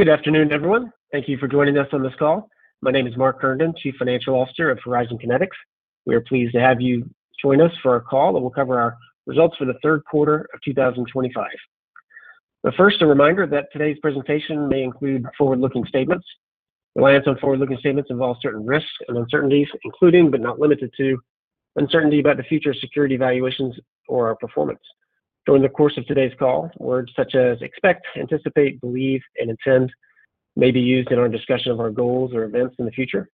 Good afternoon, everyone. Thank you for joining us on this call. My name is Mark Herndon, Chief Financial Officer of Horizon Kinetics. We are pleased to have you join us for our call, and we'll cover our results for the third quarter of 2025. First, a reminder that today's presentation may include forward-looking statements. Reliance on forward-looking statements involves certain risks and uncertainties, including but not limited to uncertainty about the future of security valuations or our performance. During the course of today's call, words such as expect, anticipate, believe, and intend may be used in our discussion of our goals or events in the future.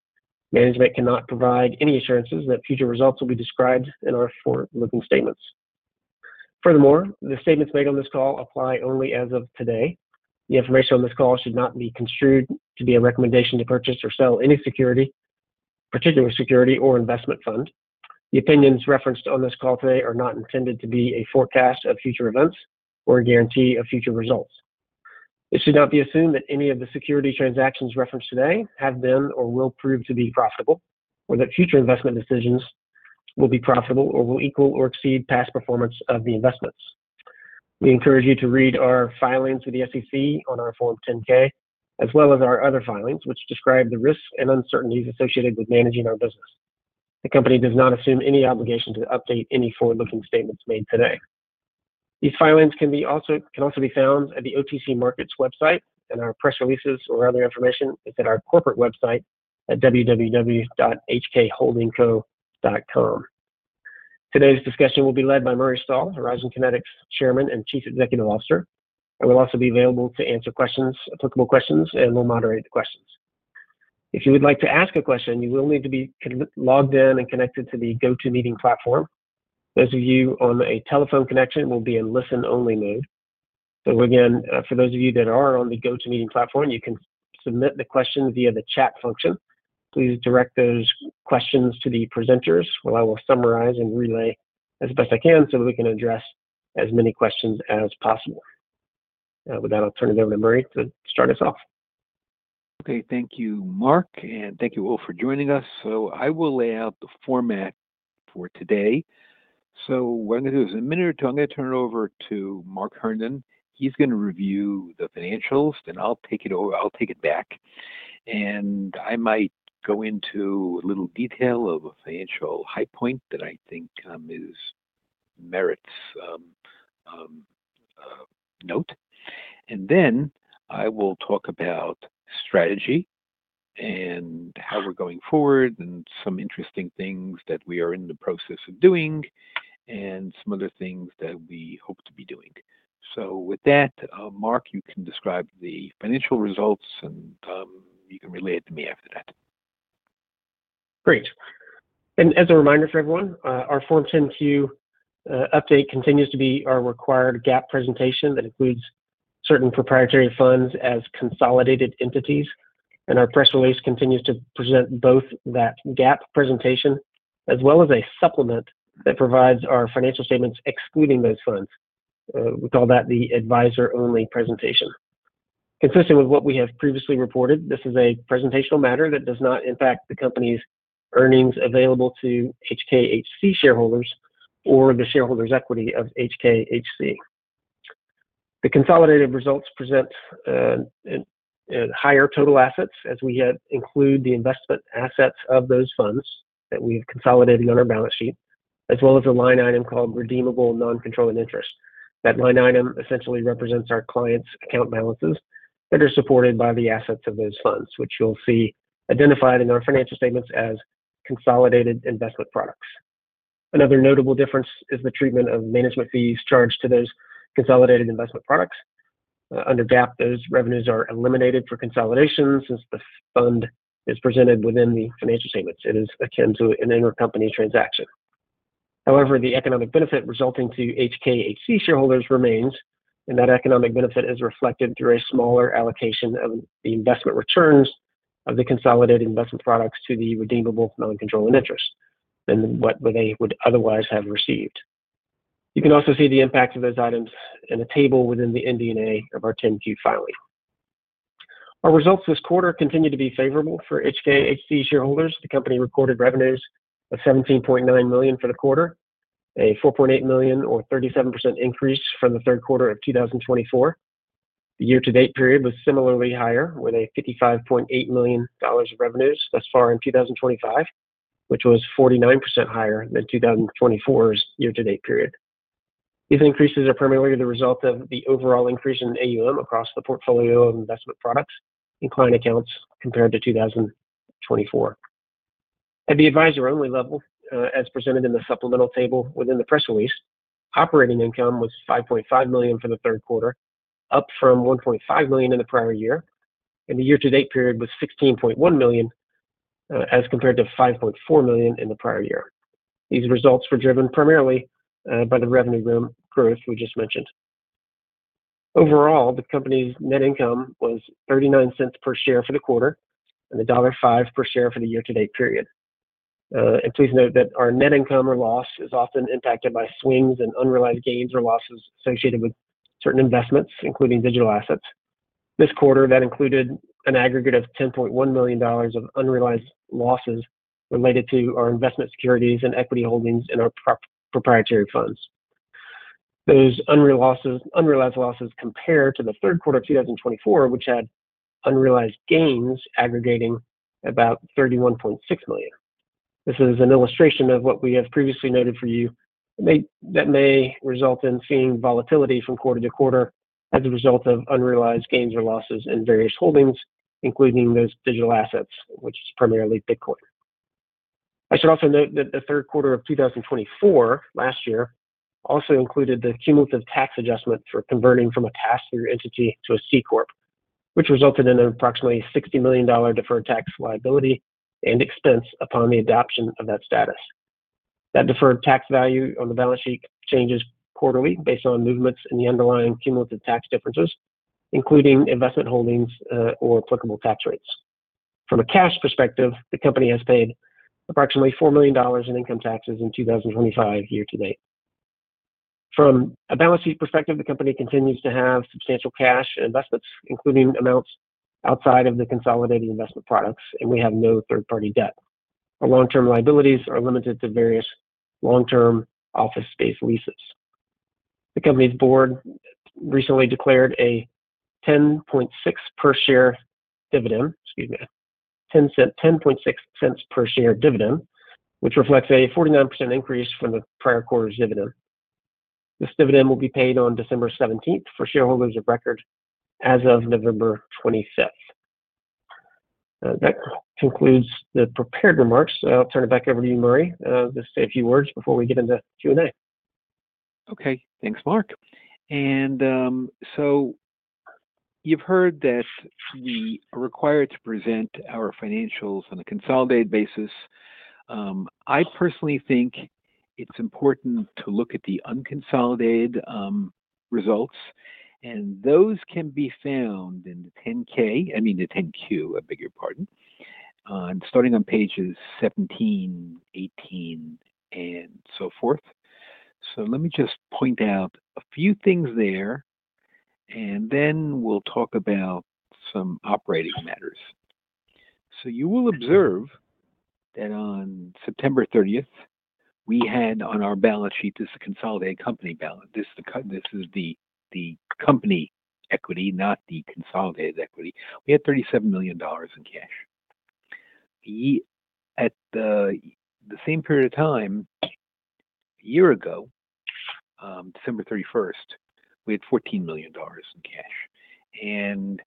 Management cannot provide any assurances that future results will be described in our forward-looking statements. Furthermore, the statements made on this call apply only as of today. The information on this call should not be construed to be a recommendation to purchase or sell any security, particularly security or investment fund. The opinions referenced on this call today are not intended to be a forecast of future events or a guarantee of future results. It should not be assumed that any of the security transactions referenced today have been or will prove to be profitable, or that future investment decisions will be profitable or will equal or exceed past performance of the investments. We encourage you to read our filings with the SEC on our Form 10-K, as well as our other filings, which describe the risks and uncertainties associated with managing our business. The company does not assume any obligation to update any forward-looking statements made today. These filings can also be found at the OTC Markets website, and our press releases or other information is at our corporate website at www.hkholdingco.com. Today's discussion will be led by Murray Stahl, Horizon Kinetics Chairman and Chief Executive Officer. I will also be available to answer applicable questions and will moderate the questions. If you would like to ask a question, you will need to be logged in and connected to the GoToMeeting platform. Those of you on a telephone connection will be in listen-only mode. Again, for those of you that are on the GoToMeeting platform, you can submit the question via the chat function. Please direct those questions to the presenters, while I will summarize and relay as best I can so that we can address as many questions as possible. With that, I'll turn it over to Murray to start us off. Okay. Thank you, Mark, and thank you all for joining us. I will lay out the format for today. What I'm going to do is in a minute or two, I'm going to turn it over to Mark Herndon. He's going to review the financials, and I'll take it back. I might go into a little detail of a financial high point that I think merits note. I will talk about strategy and how we're going forward and some interesting things that we are in the process of doing and some other things that we hope to be doing. With that, Mark, you can describe the financial results, and you can relay it to me after that. Great. As a reminder for everyone, our Form 10-Q update continues to be our required GAAP presentation that includes certain proprietary funds as consolidated entities. Our press release continues to present both that GAAP presentation as well as a supplement that provides our financial statements excluding those funds. We call that the advisor-only presentation. Consistent with what we have previously reported, this is a presentational matter that does not impact the company's earnings available to HKHC shareholders or the shareholders' equity of HKHC. The consolidated results present higher total assets as we include the investment assets of those funds that we have consolidated on our balance sheet, as well as a line item called redeemable non-controlling interest. That line item essentially represents our clients' account balances that are supported by the assets of those funds, which you'll see identified in our financial statements as consolidated investment products. Another notable difference is the treatment of management fees charged to those consolidated investment products. Under GAAP, those revenues are eliminated for consolidation since the fund is presented within the financial statements. It is akin to an intercompany transaction. However, the economic benefit resulting to HKHC shareholders remains, and that economic benefit is reflected through a smaller allocation of the investment returns of the consolidated investment products to the redeemable non-controlling interest than what they would otherwise have received. You can also see the impact of those items in a table within the ND&A of our 10-Q filing. Our results this quarter continue to be favorable for HKHC shareholders. The company recorded revenues of $17.9 million for the quarter, a $4.8 million, or 37% increase from the third quarter of 2024. The year-to-date period was similarly higher, with a $55.8 million of revenues thus far in 2025, which was 49% higher than 2024's year-to-date period. These increases are primarily the result of the overall increase in AUM across the portfolio of investment products and client accounts compared to 2024. At the advisor-only level, as presented in the supplemental table within the press release, operating income was $5.5 million for the third quarter, up from $1.5 million in the prior year, and the year-to-date period was $16.1 million as compared to $5.4 million in the prior year. These results were driven primarily by the revenue growth we just mentioned. Overall, the company's net income was $0.39 per share for the quarter and $1.05 per share for the year-to-date period. Please note that our net income or loss is often impacted by swings in unrealized gains or losses associated with certain investments, including digital assets. This quarter, that included an aggregate of $10.1 million of unrealized losses related to our investment securities and equity holdings in our proprietary funds. Those unrealized losses compare to the third quarter of 2024, which had unrealized gains aggregating about $31.6 million. This is an illustration of what we have previously noted for you that may result in seeing volatility from quarter to quarter as a result of unrealized gains or losses in various holdings, including those digital assets, which is primarily Bitcoin. I should also note that the third quarter of 2024 last year also included the cumulative tax adjustment for converting from a pass-through entity to a C corp, which resulted in an approximately $60 million deferred tax liability and expense upon the adoption of that status. That deferred tax value on the balance sheet changes quarterly based on movements in the underlying cumulative tax differences, including investment holdings or applicable tax rates. From a cash perspective, the company has paid approximately $4 million in income taxes in 2025 year-to-date. From a balance sheet perspective, the company continues to have substantial cash investments, including amounts outside of the consolidated investment products, and we have no third-party debt. Our long-term liabilities are limited to various long-term office space leases. The company's board recently declared a $0.10 per share dividend, excuse me, $0.10 per share dividend, which reflects a 49% increase from the prior quarter's dividend. This dividend will be paid on December 17th for shareholders of record as of November 25th. That concludes the prepared remarks. I'll turn it back over to you, Murray, just to say a few words before we get into Q&A. Okay. Thanks, Mark. You have heard that we are required to present our financials on a consolidated basis. I personally think it is important to look at the unconsolidated results, and those can be found in the 10-K, I mean, the 10-Q, I beg your pardon, starting on pages 17, 18, and so forth. Let me just point out a few things there, and then we will talk about some operating matters. You will observe that on September 30th, we had on our balance sheet, this is a consolidated company balance. This is the company equity, not the consolidated equity. We had $37 million in cash. At the same period of time, a year ago, December 31st, we had $14 million in cash. It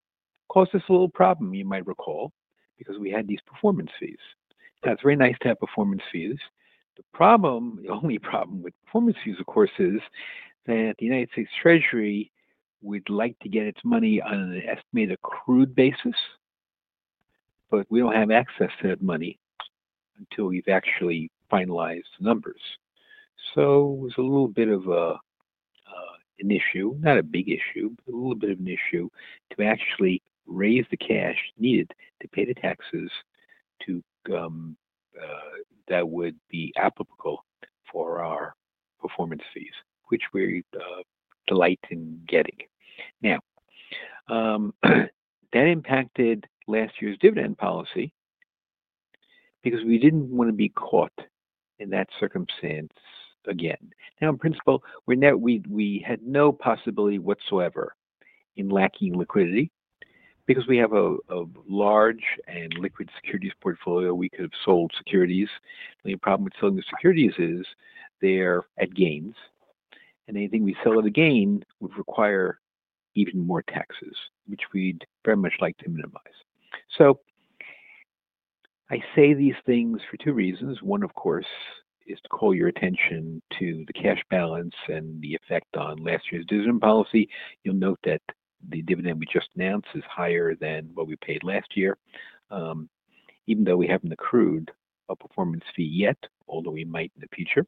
caused us a little problem, you might recall, because we had these performance fees. Now, it is very nice to have performance fees. The only problem with performance fees, of course, is that the United States Treasury would like to get its money on an estimated accrued basis, but we do not have access to that money until we have actually finalized the numbers. It was a little bit of an issue, not a big issue, but a little bit of an issue to actually raise the cash needed to pay the taxes that would be applicable for our performance fees, which we are delighted in getting. That impacted last year's dividend policy because we did not want to be caught in that circumstance again. In principle, we had no possibility whatsoever in lacking liquidity because we have a large and liquid securities portfolio. We could have sold securities. The only problem with selling the securities is they're at gains, and anything we sell at a gain would require even more taxes, which we'd very much like to minimize. I say these things for two reasons. One, of course, is to call your attention to the cash balance and the effect on last year's dividend policy. You'll note that the dividend we just announced is higher than what we paid last year, even though we haven't accrued a performance fee yet, although we might in the future.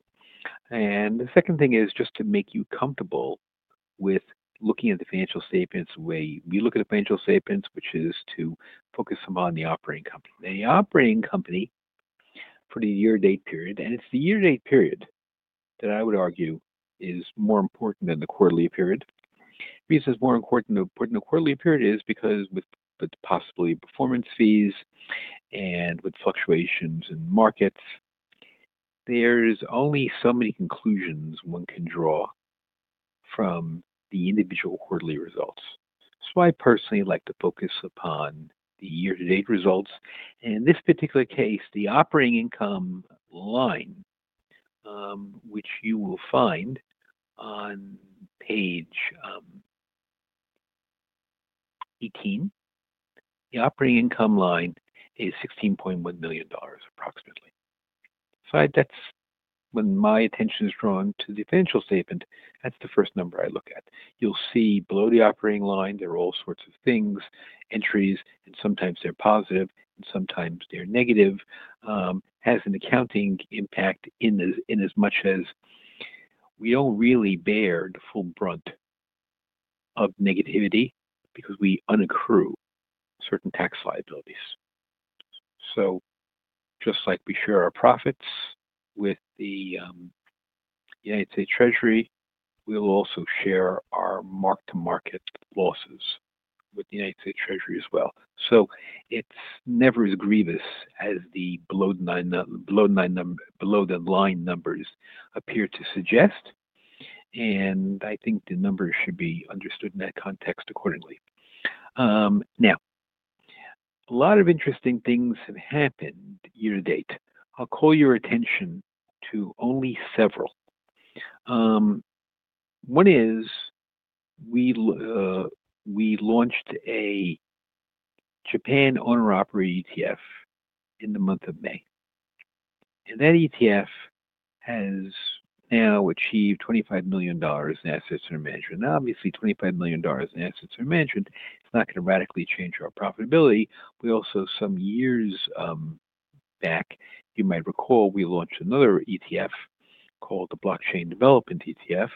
The second thing is just to make you comfortable with looking at the financial statements the way we look at the financial statements, which is to focus some on the operating company. The operating company for the year-to-date period, and it's the year-to-date period that I would argue is more important than the quarterly period. The reason it's more important than the quarterly period is because with the possibility of performance fees and with fluctuations in markets, there's only so many conclusions one can draw from the individual quarterly results. That's why I personally like to focus upon the year-to-date results. In this particular case, the operating income line, which you will find on page 18, the operating income line is $16.1 million approximately. That's when my attention is drawn to the financial statement. That's the first number I look at. You'll see below the operating line, there are all sorts of things, entries, and sometimes they're positive and sometimes they're negative, has an accounting impact in as much as we don't really bear the full brunt of negativity because we unaccrue certain tax liabilities. Just like we share our profits with the United States Treasury, we will also share our mark-to-market losses with the United States Treasury as well. It is never as grievous as the below-the-line numbers appear to suggest, and I think the numbers should be understood in that context accordingly. Now, a lot of interesting things have happened year-to-date. I will call your attention to only several. One is we launched a Japan Owner-Operator ETF in the month of May. That ETF has now achieved $25 million in assets under management. Obviously, $25 million in assets under management is not going to radically change our profitability. Also, some years back, you might recall, we launched another ETF called the Blockchain Development ETF.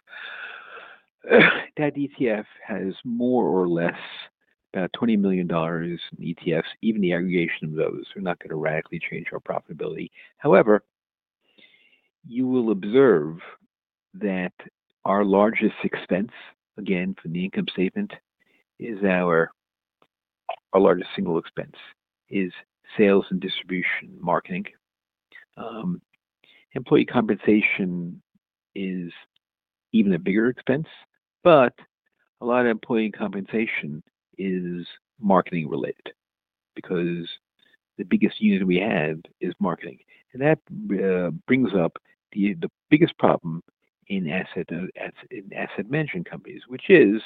That ETF has more or less about $20 million in assets under management. Even the aggregation of those, they are not going to radically change our profitability. However, you will observe that our largest expense, again, from the income statement, is our largest single expense, is sales and distribution marketing. Employee compensation is even a bigger expense, but a lot of employee compensation is marketing-related because the biggest unit we have is marketing. That brings up the biggest problem in asset management companies, which is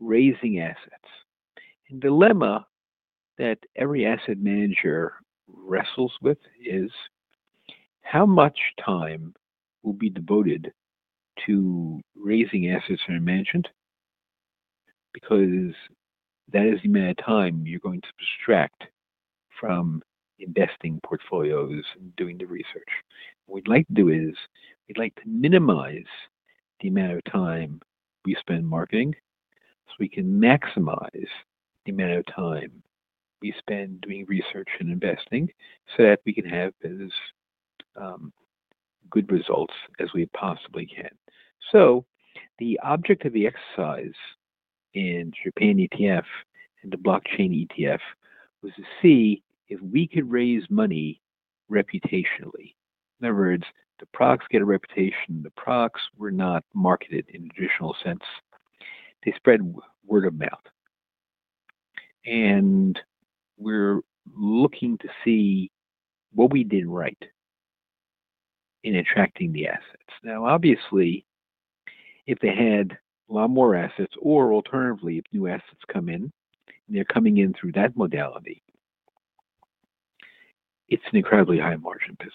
raising assets. The dilemma that every asset manager wrestles with is how much time will be devoted to raising assets under management because that is the amount of time you're going to subtract from investing portfolios and doing the research. What we'd like to do is we'd like to minimize the amount of time we spend marketing so we can maximize the amount of time we spend doing research and investing so that we can have as good results as we possibly can. The object of the exercise in the Japan ETF and the Blockchain ETF was to see if we could raise money reputationally. In other words, the products get a reputation. The products were not marketed in a traditional sense. They spread word of mouth. We are looking to see what we did right in attracting the assets. Now, obviously, if they had a lot more assets or alternatively, if new assets come in and they are coming in through that modality, it is an incredibly high-margin business.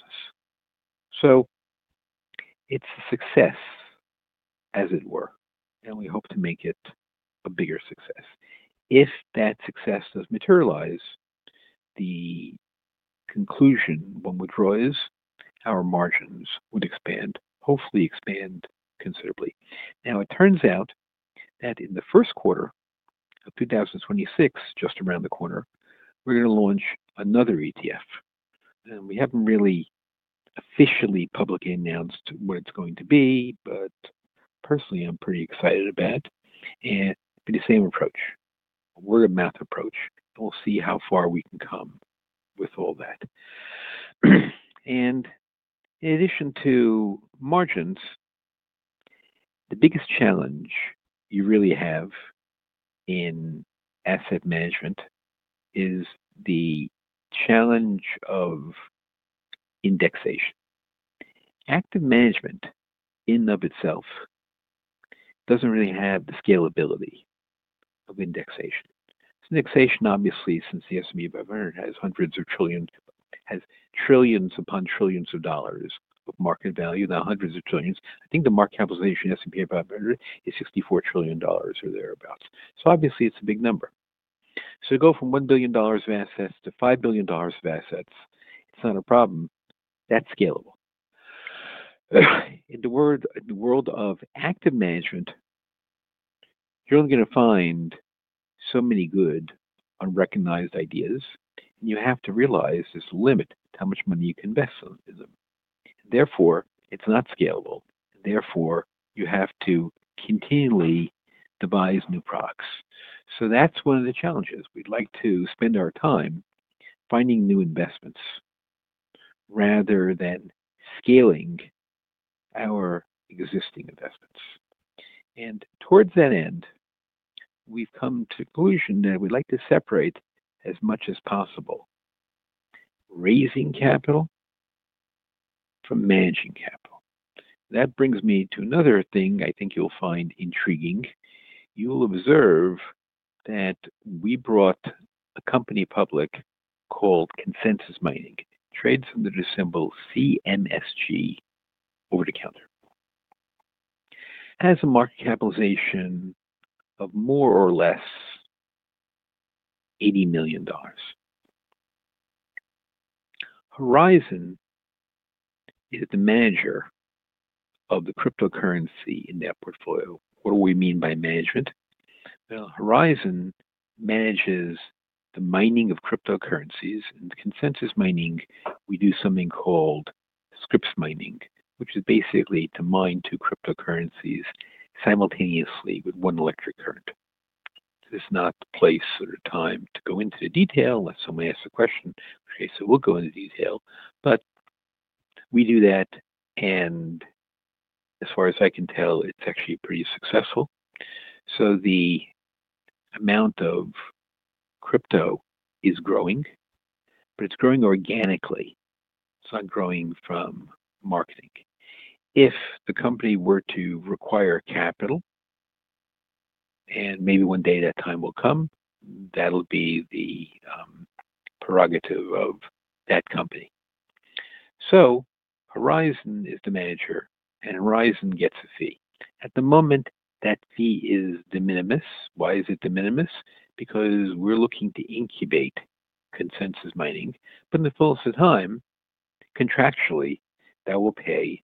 It is a success, as it were, and we hope to make it a bigger success. If that success does materialize, the conclusion one would draw is our margins would expand, hopefully expand considerably. It turns out that in the first quarter of 2026, just around the corner, we are going to launch another ETF. We have not really officially publicly announced what it is going to be, but personally, I am pretty excited about it. It has been the same approach, word-of-mouth approach. We will see how far we can come with all that. In addition to margins, the biggest challenge you really have in asset management is the challenge of indexation. Active management in and of itself does not really have the scalability of indexation. Indexation, obviously, since the S&P 500 has trillions upon trillions of dollars of market value, not hundreds of trillions. I think the market capitalization of the S&P 500 is $64 trillion or thereabouts. Obviously, it is a big number. To go from $1 billion of assets to $5 billion of assets is not a problem. That is scalable. In the world of active management, you're only going to find so many good unrecognized ideas, and you have to realize there's a limit to how much money you can invest in them. Therefore, it's not scalable. Therefore, you have to continually devise new products. That's one of the challenges. We'd like to spend our time finding new investments rather than scaling our existing investments. Towards that end, we've come to a conclusion that we'd like to separate as much as possible raising capital from managing capital. That brings me to another thing I think you'll find intriguing. You'll observe that we brought a company public called Consensus Mining, trades under the symbol CMSG, over the counter. It has a market capitalization of more or less $80 million. Horizon is the manager of the cryptocurrency in their portfolio. What do we mean by management? Horizon manages the mining of cryptocurrencies, and Consensus Mining, we do something called SCRIPS mining, which is basically to mine two cryptocurrencies simultaneously with one electric current. It's not the place or time to go into detail unless someone asks a question. Okay, so we'll go into detail, but we do that, and as far as I can tell, it's actually pretty successful. The amount of crypto is growing, but it's growing organically. It's not growing from marketing. If the company were to require capital, and maybe one day that time will come, that'll be the prerogative of that company. Horizon is the manager, and Horizon gets a fee. At the moment, that fee is de minimis. Why is it de minimis? Because we're looking to incubate Consensus Mining, but in the fullest of time, contractually, that will pay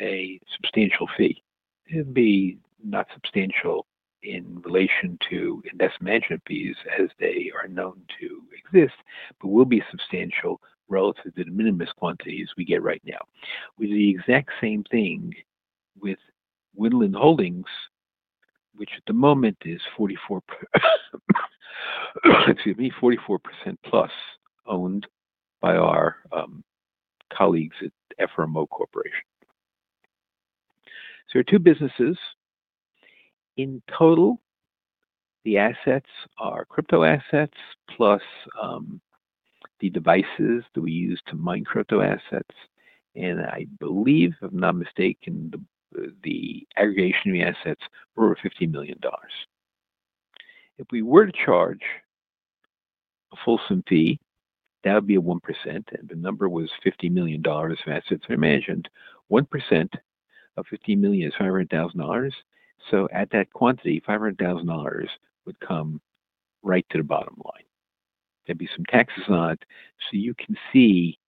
a substantial fee. It'll be not substantial in relation to investment management fees as they are known to exist, but will be substantial relative to the de minimis quantities we get right now. We do the exact same thing with Woodland Holdings, which at the moment is 44%+ owned by our colleagues at FRMO Corporation. So there are two businesses. In total, the assets are crypto assets plus the devices that we use to mine crypto assets, and I believe, if I'm not mistaken, the aggregation of the assets is over $50 million. If we were to charge a fulsome fee, that would be a 1%, and the number was $50 million of assets under management. 1% of $50 million is $500,000. At that quantity, $500,000 would come right to the bottom line. There'd be some taxes on it. You can see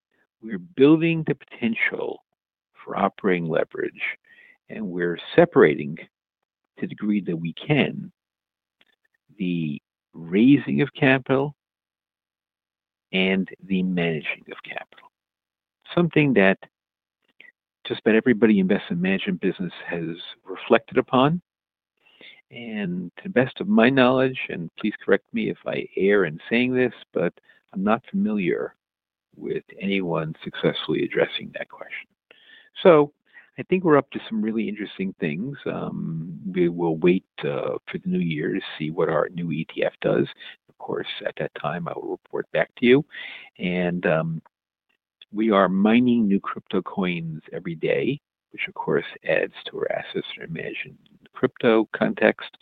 we're building the potential for operating leverage, and we're separating to the degree that we can the raising of capital and the managing of capital. Something that just about everybody in the investment management business has reflected upon. To the best of my knowledge, and please correct me if I err in saying this, but I'm not familiar with anyone successfully addressing that question. I think we're up to some really interesting things. We will wait for the new year to see what our new ETF does. Of course, at that time, I will report back to you. We are mining new crypto coins every day, which, of course, adds to our assets under management in the crypto context.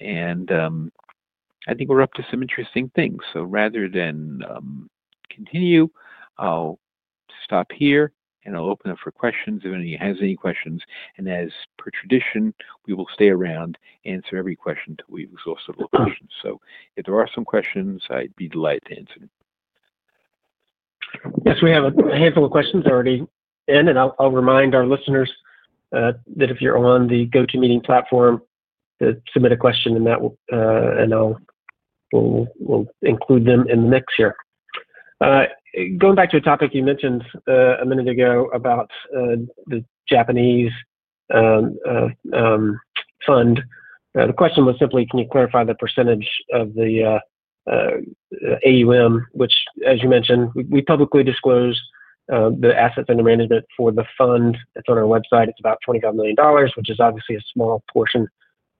I think we're up to some interesting things. Rather than continue, I'll stop here, and I'll open up for questions if anyone has any questions. As per tradition, we will stay around, answer every question until we've exhausted all questions. If there are some questions, I'd be delighted to answer them. Yes, we have a handful of questions already in, and I'll remind our listeners that if you're on the GoToMeeting platform to submit a question, I'll include them in the mix here. Going back to a topic you mentioned a minute ago about the Japanese fund, the question was simply, can you clarify the percentage of the AUM, which, as you mentioned, we publicly disclose the assets under management for the fund. It's on our website. It's about $25 million, which is obviously a small portion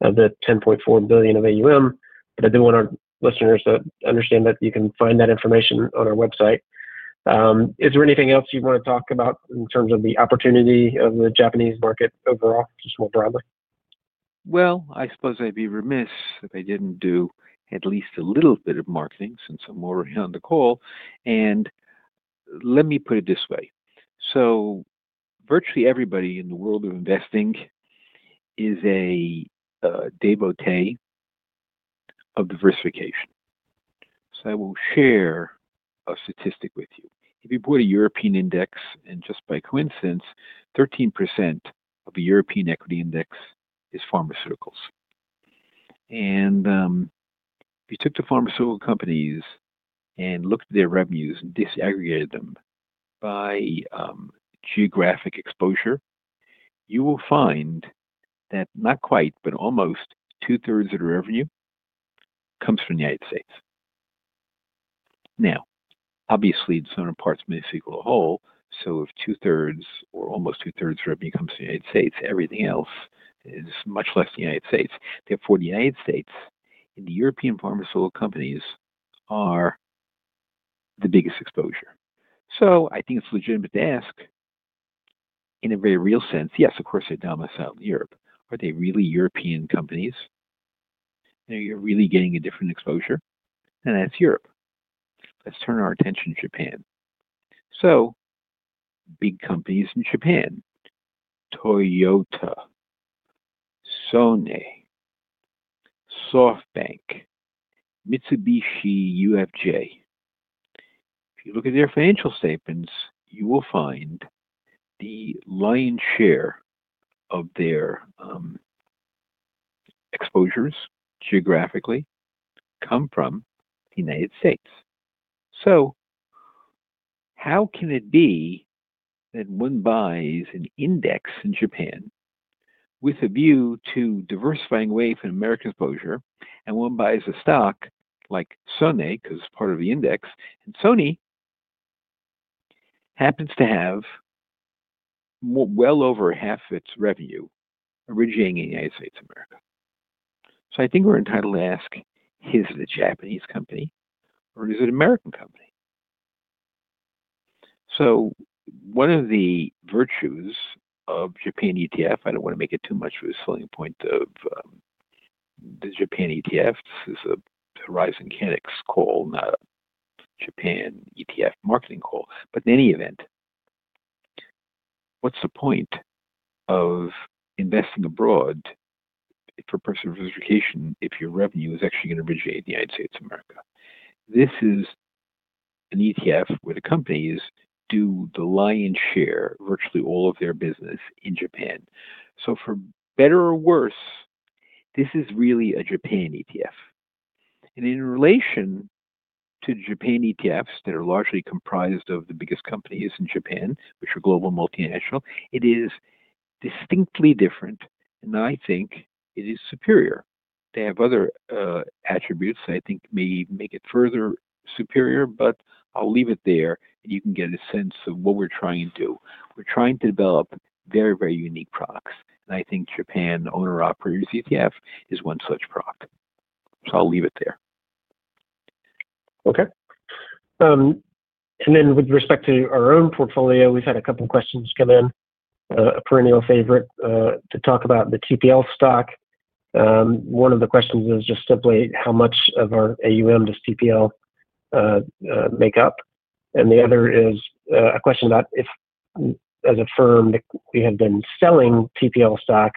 of the $10.4 billion of AUM. I do want our listeners to understand that you can find that information on our website. Is there anything else you want to talk about in terms of the opportunity of the Japanese market overall, just more broadly? I suppose I'd be remiss if I didn't do at least a little bit of marketing since I'm already on the call. Let me put it this way. Virtually everybody in the world of investing is a devotee of diversification. I will share a statistic with you. If you put a European index, and just by coincidence, 13% of the European equity index is pharmaceuticals. If you took the pharmaceutical companies and looked at their revenues and disaggregated them by geographic exposure, you will find that not quite, but almost two-thirds of the revenue comes from the United States. Now, obviously, the southern parts may seem a little whole, so if 2/3 or almost 2/3 of the revenue comes from the United States, everything else is much less than the United States. Therefore, the United States and the European pharmaceutical companies are the biggest exposure. I think it's legitimate to ask, in a very real sense, yes, of course, they're domiciled in Europe. Are they really European companies? Are you really getting a different exposure? Then that's Europe. Let's turn our attention to Japan. Big companies in Japan: Toyota, Sony, SoftBank, Mitsubishi UFJ. If you look at their financial statements, you will find the lion's share of their exposures geographically come from the United States. How can it be that one buys an index in Japan with a view to diversifying away from American exposure, and one buys a stock like Sony because it's part of the index, and Sony happens to have well over half of its revenue originating in the United States of America? I think we're entitled to ask, is it a Japanese company or is it an American company? One of the virtues of Japan ETF, I don't want to make it too much of a selling point of the Japan ETF, this is a Horizon Kinetics call, not a Japan ETF marketing call. In any event, what's the point of investing abroad for personal diversification if your revenue is actually going to originate in the United States of America? This is an ETF where the companies do the lion's share, virtually all of their business, in Japan. For better or worse, this is really a Japan ETF. In relation to Japan ETFs that are largely comprised of the biggest companies in Japan, which are global multinationals, it is distinctly different, and I think it is superior. They have other attributes that I think may even make it further superior, but I'll leave it there, and you can get a sense of what we're trying to do. We're trying to develop very, very unique products, and I think Japan Owner Operators ETF is one such product. I'll leave it there. Okay. With respect to our own portfolio, we've had a couple of questions come in, a perennial favorite, to talk about the TPL stock. One of the questions is just simply how much of our AUM does TPL make up. The other is a question about if, as a firm, we have been selling TPL stock.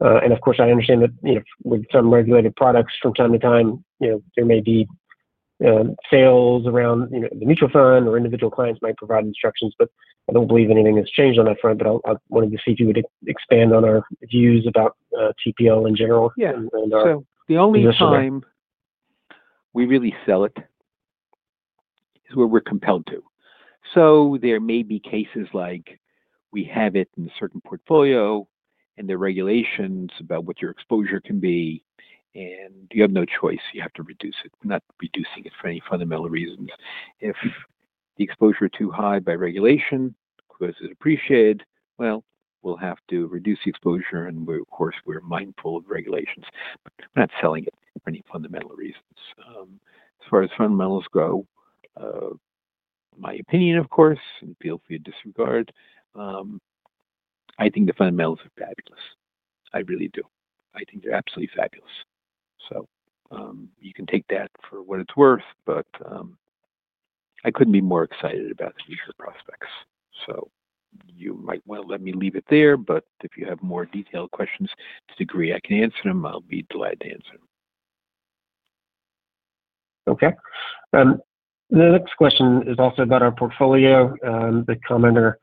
Of course, I understand that with some regulated products from time to time, there may be sales around the mutual fund, or individual clients might provide instructions, but I do not believe anything has changed on that front. I wanted to see if you would expand on our views about TPL in general and our investment. The only time we really sell it is where we are compelled to. There may be cases like we have it in a certain portfolio, and the regulations about what your exposure can be, and you have no choice. You have to reduce it. We are not reducing it for any fundamental reasons. If the exposure is too high by regulation, because it's appreciated, we'll have to reduce the exposure, and of course, we're mindful of regulations. We're not selling it for any fundamental reasons. As far as fundamentals go, my opinion, of course, and feel free to disregard, I think the fundamentals are fabulous. I really do. I think they're absolutely fabulous. You can take that for what it's worth, but I couldn't be more excited about the future prospects. You might want to let me leave it there, but if you have more detailed questions, to the degree I can answer them, I'll be delighted to answer them. Okay. The next question is also about our portfolio. The commenter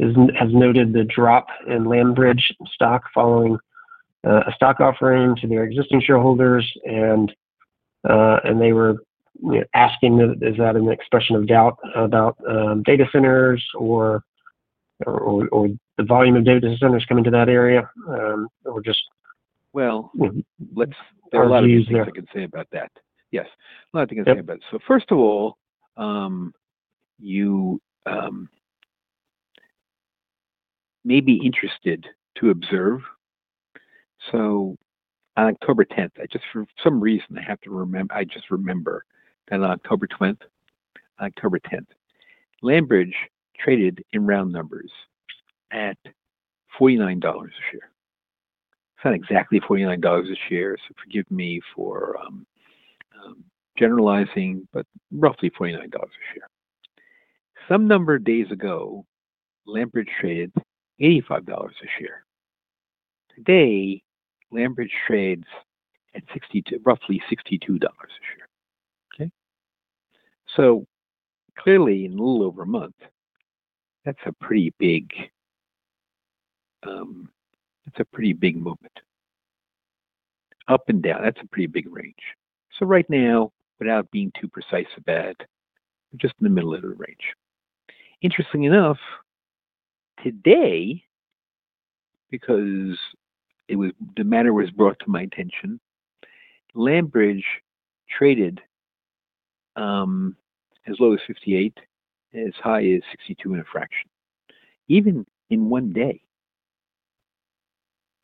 has noted the drop in Lamberge stock following a stock offering to their existing shareholders, and they were asking, is that an expression of doubt about data centers or the volume of data centers coming to that area, or just. There are a lot of things I can say about that. Yes. A lot of things I can say about it. First of all, you may be interested to observe. On October 10th, just for some reason, I just remember that on October 10th, Lamberge traded in round numbers at $49 a share. It is not exactly $49 a share, so forgive me for generalizing, but roughly $49 a share. Some number of days ago, Lamberge traded $85 a share. Today, Lamberge trades at roughly $62 a share. Okay? Clearly, in a little over a month, that is a pretty big movement. Up and down, that's a pretty big range. Right now, without being too precise about it, we're just in the middle of the range. Interesting enough, today, because the matter was brought to my attention, Lamberge traded as low as $58, as high as $62 and a fraction, even in one day.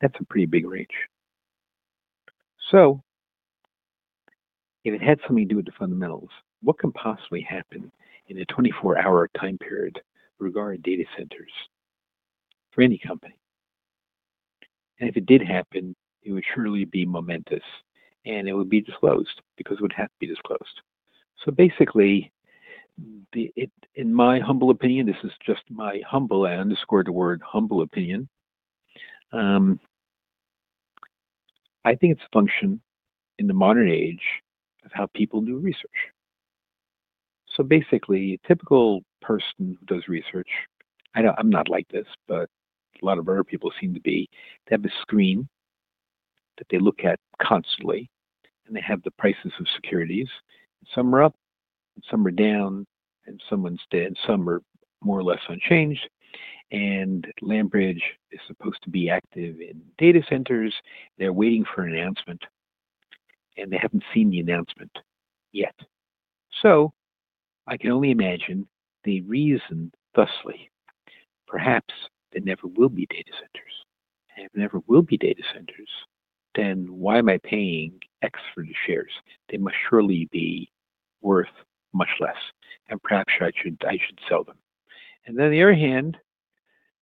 That's a pretty big range. If it had something to do with the fundamentals, what can possibly happen in a 24-hour time period regarding data centers for any company? If it did happen, it would surely be momentous, and it would be disclosed because it would have to be disclosed. Basically, in my humble opinion, this is just my humble—I underscore the word humble—opinion. I think it's a function in the modern age of how people do research. Basically, a typical person who does research—I am not like this, but a lot of other people seem to be—they have a screen that they look at constantly, and they have the prices of securities. Some are up, some are down, and some are more or less unchanged. Lamberge is supposed to be active in data centers. They are waiting for an announcement, and they have not seen the announcement yet. I can only imagine the reason. Thusly, perhaps there never will be data centers. If there never will be data centers, then why am I paying X for the shares? They must surely be worth much less, and perhaps I should sell them. On the other hand,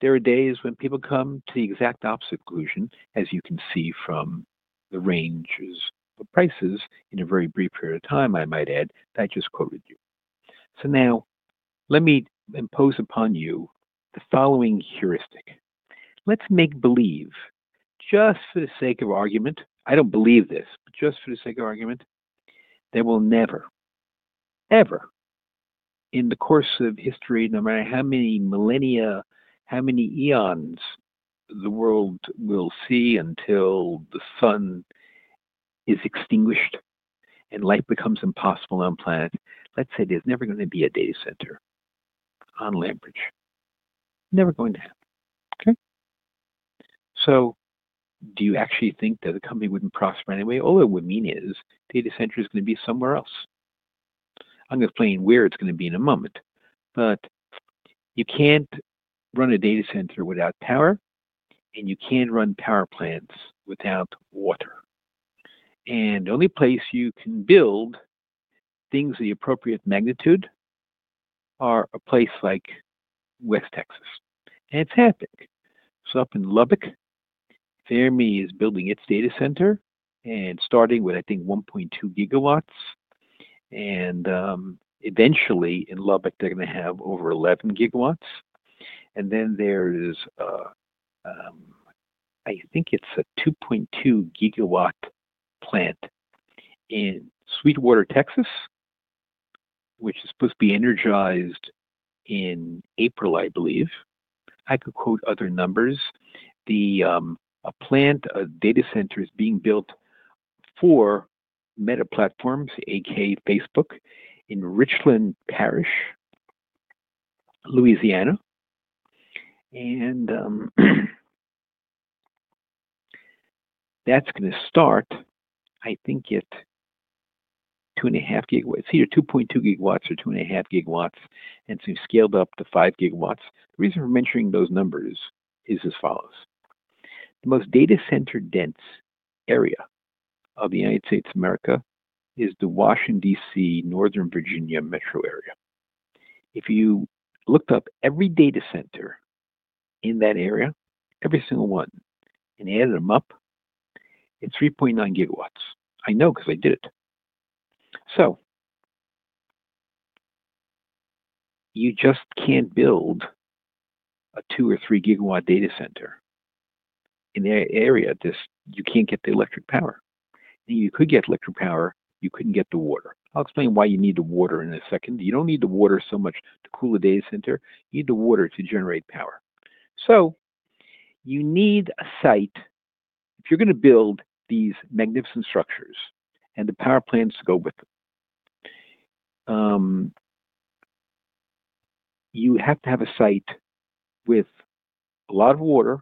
there are days when people come to the exact opposite conclusion, as you can see from the ranges of prices in a very brief period of time, I might add, that I just quoted you. Now, let me impose upon you the following heuristic. Let's make believe, just for the sake of argument—I don't believe this—but just for the sake of argument, there will never, ever, in the course of history, no matter how many millennia, how many eons the world will see until the sun is extinguished and life becomes impossible on the planet, let's say there's never going to be a data center on Lamberge. Never going to happen. Okay? Do you actually think that a company wouldn't prosper anyway? All it would mean is data center is going to be somewhere else. I'm going to explain where it's going to be in a moment. You can't run a data center without power, and you can't run power plants without water. The only place you can build things of the appropriate magnitude is a place like West Texas. It's happening. Up in Lubbock, Fermi is building its data center and starting with, I think, 1.2 GW. Eventually, in Lubbock, they're going to have over 11 GW. There is, I think, a 2.2 GW plant in Sweetwater, Texas, which is supposed to be energized in April, I believe. I could quote other numbers. A plant or data center is being built for Meta Platforms, AKA, Facebook, in Richland Parish, Louisiana. That's going to start, I think, at 2.5 GW. Either 2.2 GW or 2.5 GW, and it's going to be scaled up to 5 GW. The reason for mentioning those numbers is as follows. The most data center-dense area of the United States of America is the Washington, D.C., Northern Virginia metro area. If you looked up every data center in that area, every single one, and added them up, it's 3.9 GW. I know because I did it. You just can't build a 2 GW-3 GW data center in the area that you can't get the electric power. You could get electric power. You couldn't get the water. I'll explain why you need the water in a second. You don't need the water so much to cool the data center. You need the water to generate power. You need a site. If you're going to build these magnificent structures and the power plants to go with them, you have to have a site with a lot of water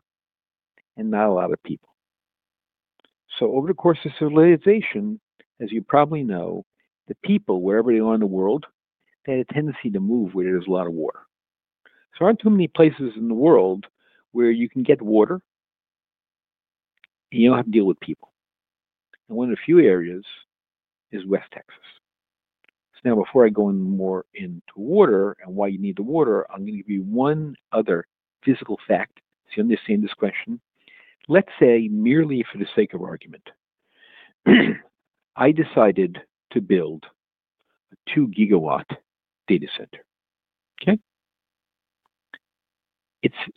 and not a lot of people. Over the course of civilization, as you probably know, people, wherever they are in the world, had a tendency to move where there's a lot of water. There aren't too many places in the world where you can get water and you don't have to deal with people. One of the few areas is West Texas. Now, before I go more into water and why you need the water, I'm going to give you one other physical fact so you understand this question. Let's say, merely for the sake of argument, I decided to build a 2-GW data center. Okay?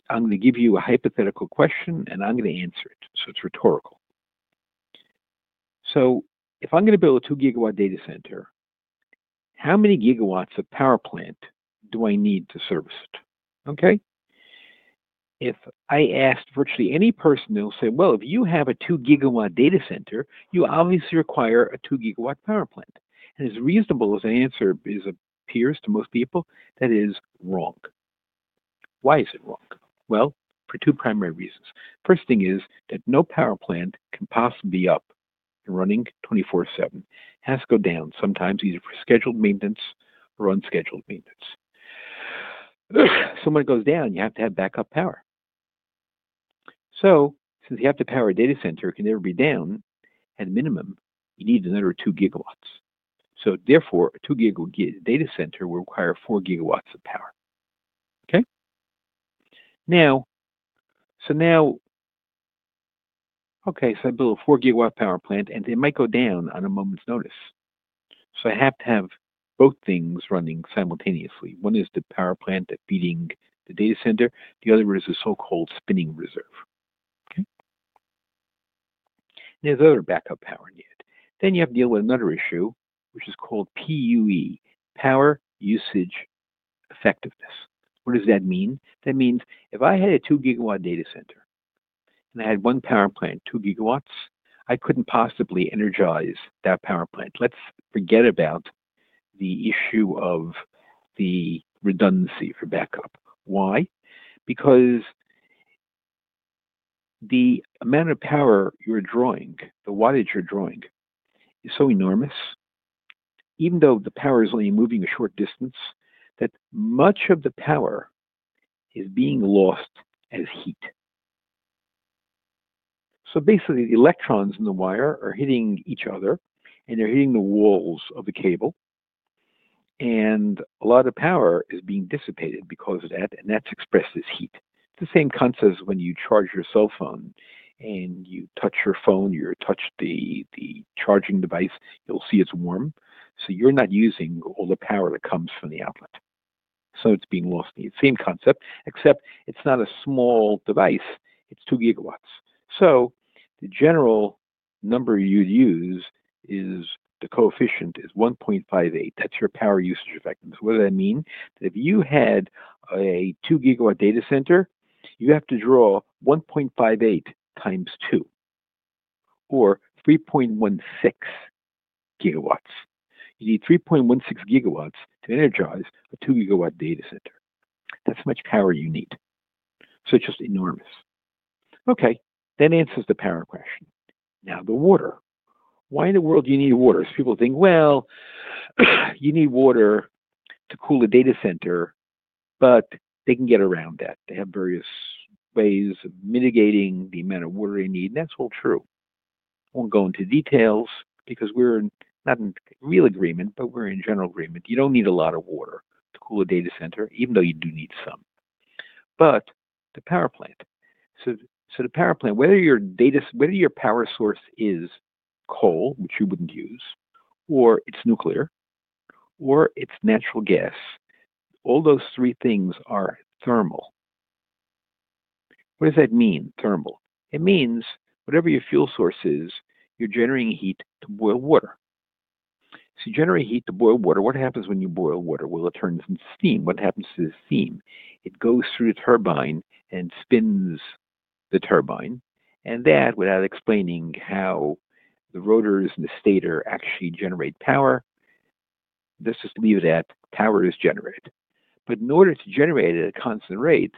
I'm going to give you a hypothetical question, and I'm going to answer it, so it's rhetorical. If I'm going to build a 2-GW data center, how many GW of power plant do I need to service it? Okay? If I asked virtually any person, they'll say, "Well, if you have a 2-GW data center, you obviously require a 2-GW power plant." As reasonable as that answer appears to most people, that is wrong. Why is it wrong? For two primary reasons. First thing is that no power plant can possibly be up and running 24/7. It has to go down, sometimes either for scheduled maintenance or unscheduled maintenance. When it goes down, you have to have backup power. Since you have to power a data center, it can never be down. At minimum, you need another 2 GW. Therefore, a 2 GW data center will require 4 GW of power. Okay? Now, okay, I build a 4-GW power plant, and it might go down on a moment's notice. I have to have both things running simultaneously. One is the power plant that's feeding the data center. The other is the so-called spinning reserve. Okay? There is other backup power needed. You have to deal with another issue, which is called PUE, Power Usage Effectiveness. What does that mean? That means if I had a 2 GW data center and I had one power plant, 2 GW, I could not possibly energize that power plant. Let's forget about the issue of the redundancy for backup. Why? Because the amount of power you're drawing, the wattage you're drawing, is so enormous, even though the power is only moving a short distance, that much of the power is being lost as heat. Basically, the electrons in the wire are hitting each other, and they're hitting the walls of the cable. A lot of power is being dissipated because of that, and that's expressed as heat. It's the same concept as when you charge your cell phone, and you touch your phone, you touch the charging device, you'll see it's warm. You're not using all the power that comes from the outlet. It's being lost. It's the same concept, except it's not a small device. It's 2 GW. The general number you'd use is the coefficient is 1.58. That's your power usage effectiveness. What does that mean? That if you had a 2 GW data center, you have to draw 1.58 times 2 or 3.16 GW. You need 3.16 GW to energize a 2 GW data center. That's how much power you need. It's just enormous. Okay. That answers the power question. Now, the water. Why in the world do you need water? Because people think, "Well, you need water to cool a data center," but they can get around that. They have various ways of mitigating the amount of water they need, and that's all true. I won't go into details because we're not in real agreement, but we're in general agreement. You don't need a lot of water to cool a data center, even though you do need some. The power plant. The power plant, whether your power source is coal, which you wouldn't use, or it's nuclear, or it's natural gas, all those three things are thermal. What does that mean, thermal? It means whatever your fuel source is, you're generating heat to boil water. You generate heat to boil water. What happens when you boil water? It turns into steam. What happens to the steam? It goes through the turbine and spins the turbine. Without explaining how the rotors and the stator actually generate power, let's just leave it at power is generated. In order to generate it at a constant rate,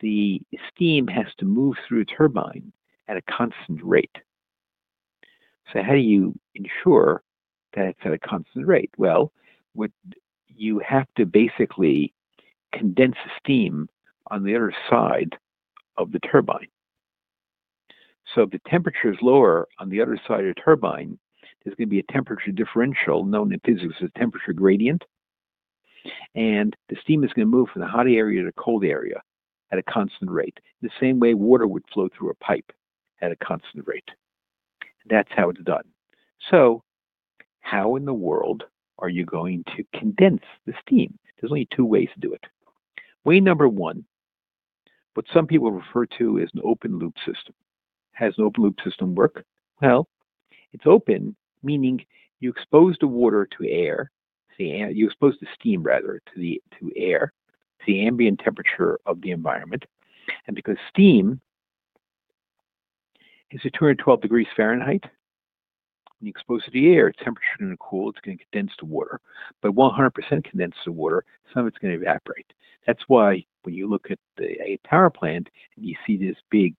the steam has to move through the turbine at a constant rate. How do you ensure that it's at a constant rate? You have to basically condense the steam on the other side of the turbine. If the temperature is lower on the other side of the turbine, there is going to be a temperature differential known in physics as temperature gradient. The steam is going to move from the hot area to the cold area at a constant rate, the same way water would flow through a pipe at a constant rate. That is how it is done. How in the world are you going to condense the steam? There are only two ways to do it. Way number one, what some people refer to as an open-loop system. How does an open-loop system work? It is open, meaning you expose the water to air. You expose the steam, rather, to air. It is the ambient temperature of the environment. Because steam is at 212 degrees Fahrenheit, when you expose it to air, its temperature is going to cool. It is going to condense the water. hundred percent condensed water, some of it's going to evaporate. That's why when you look at a power plant and you see this big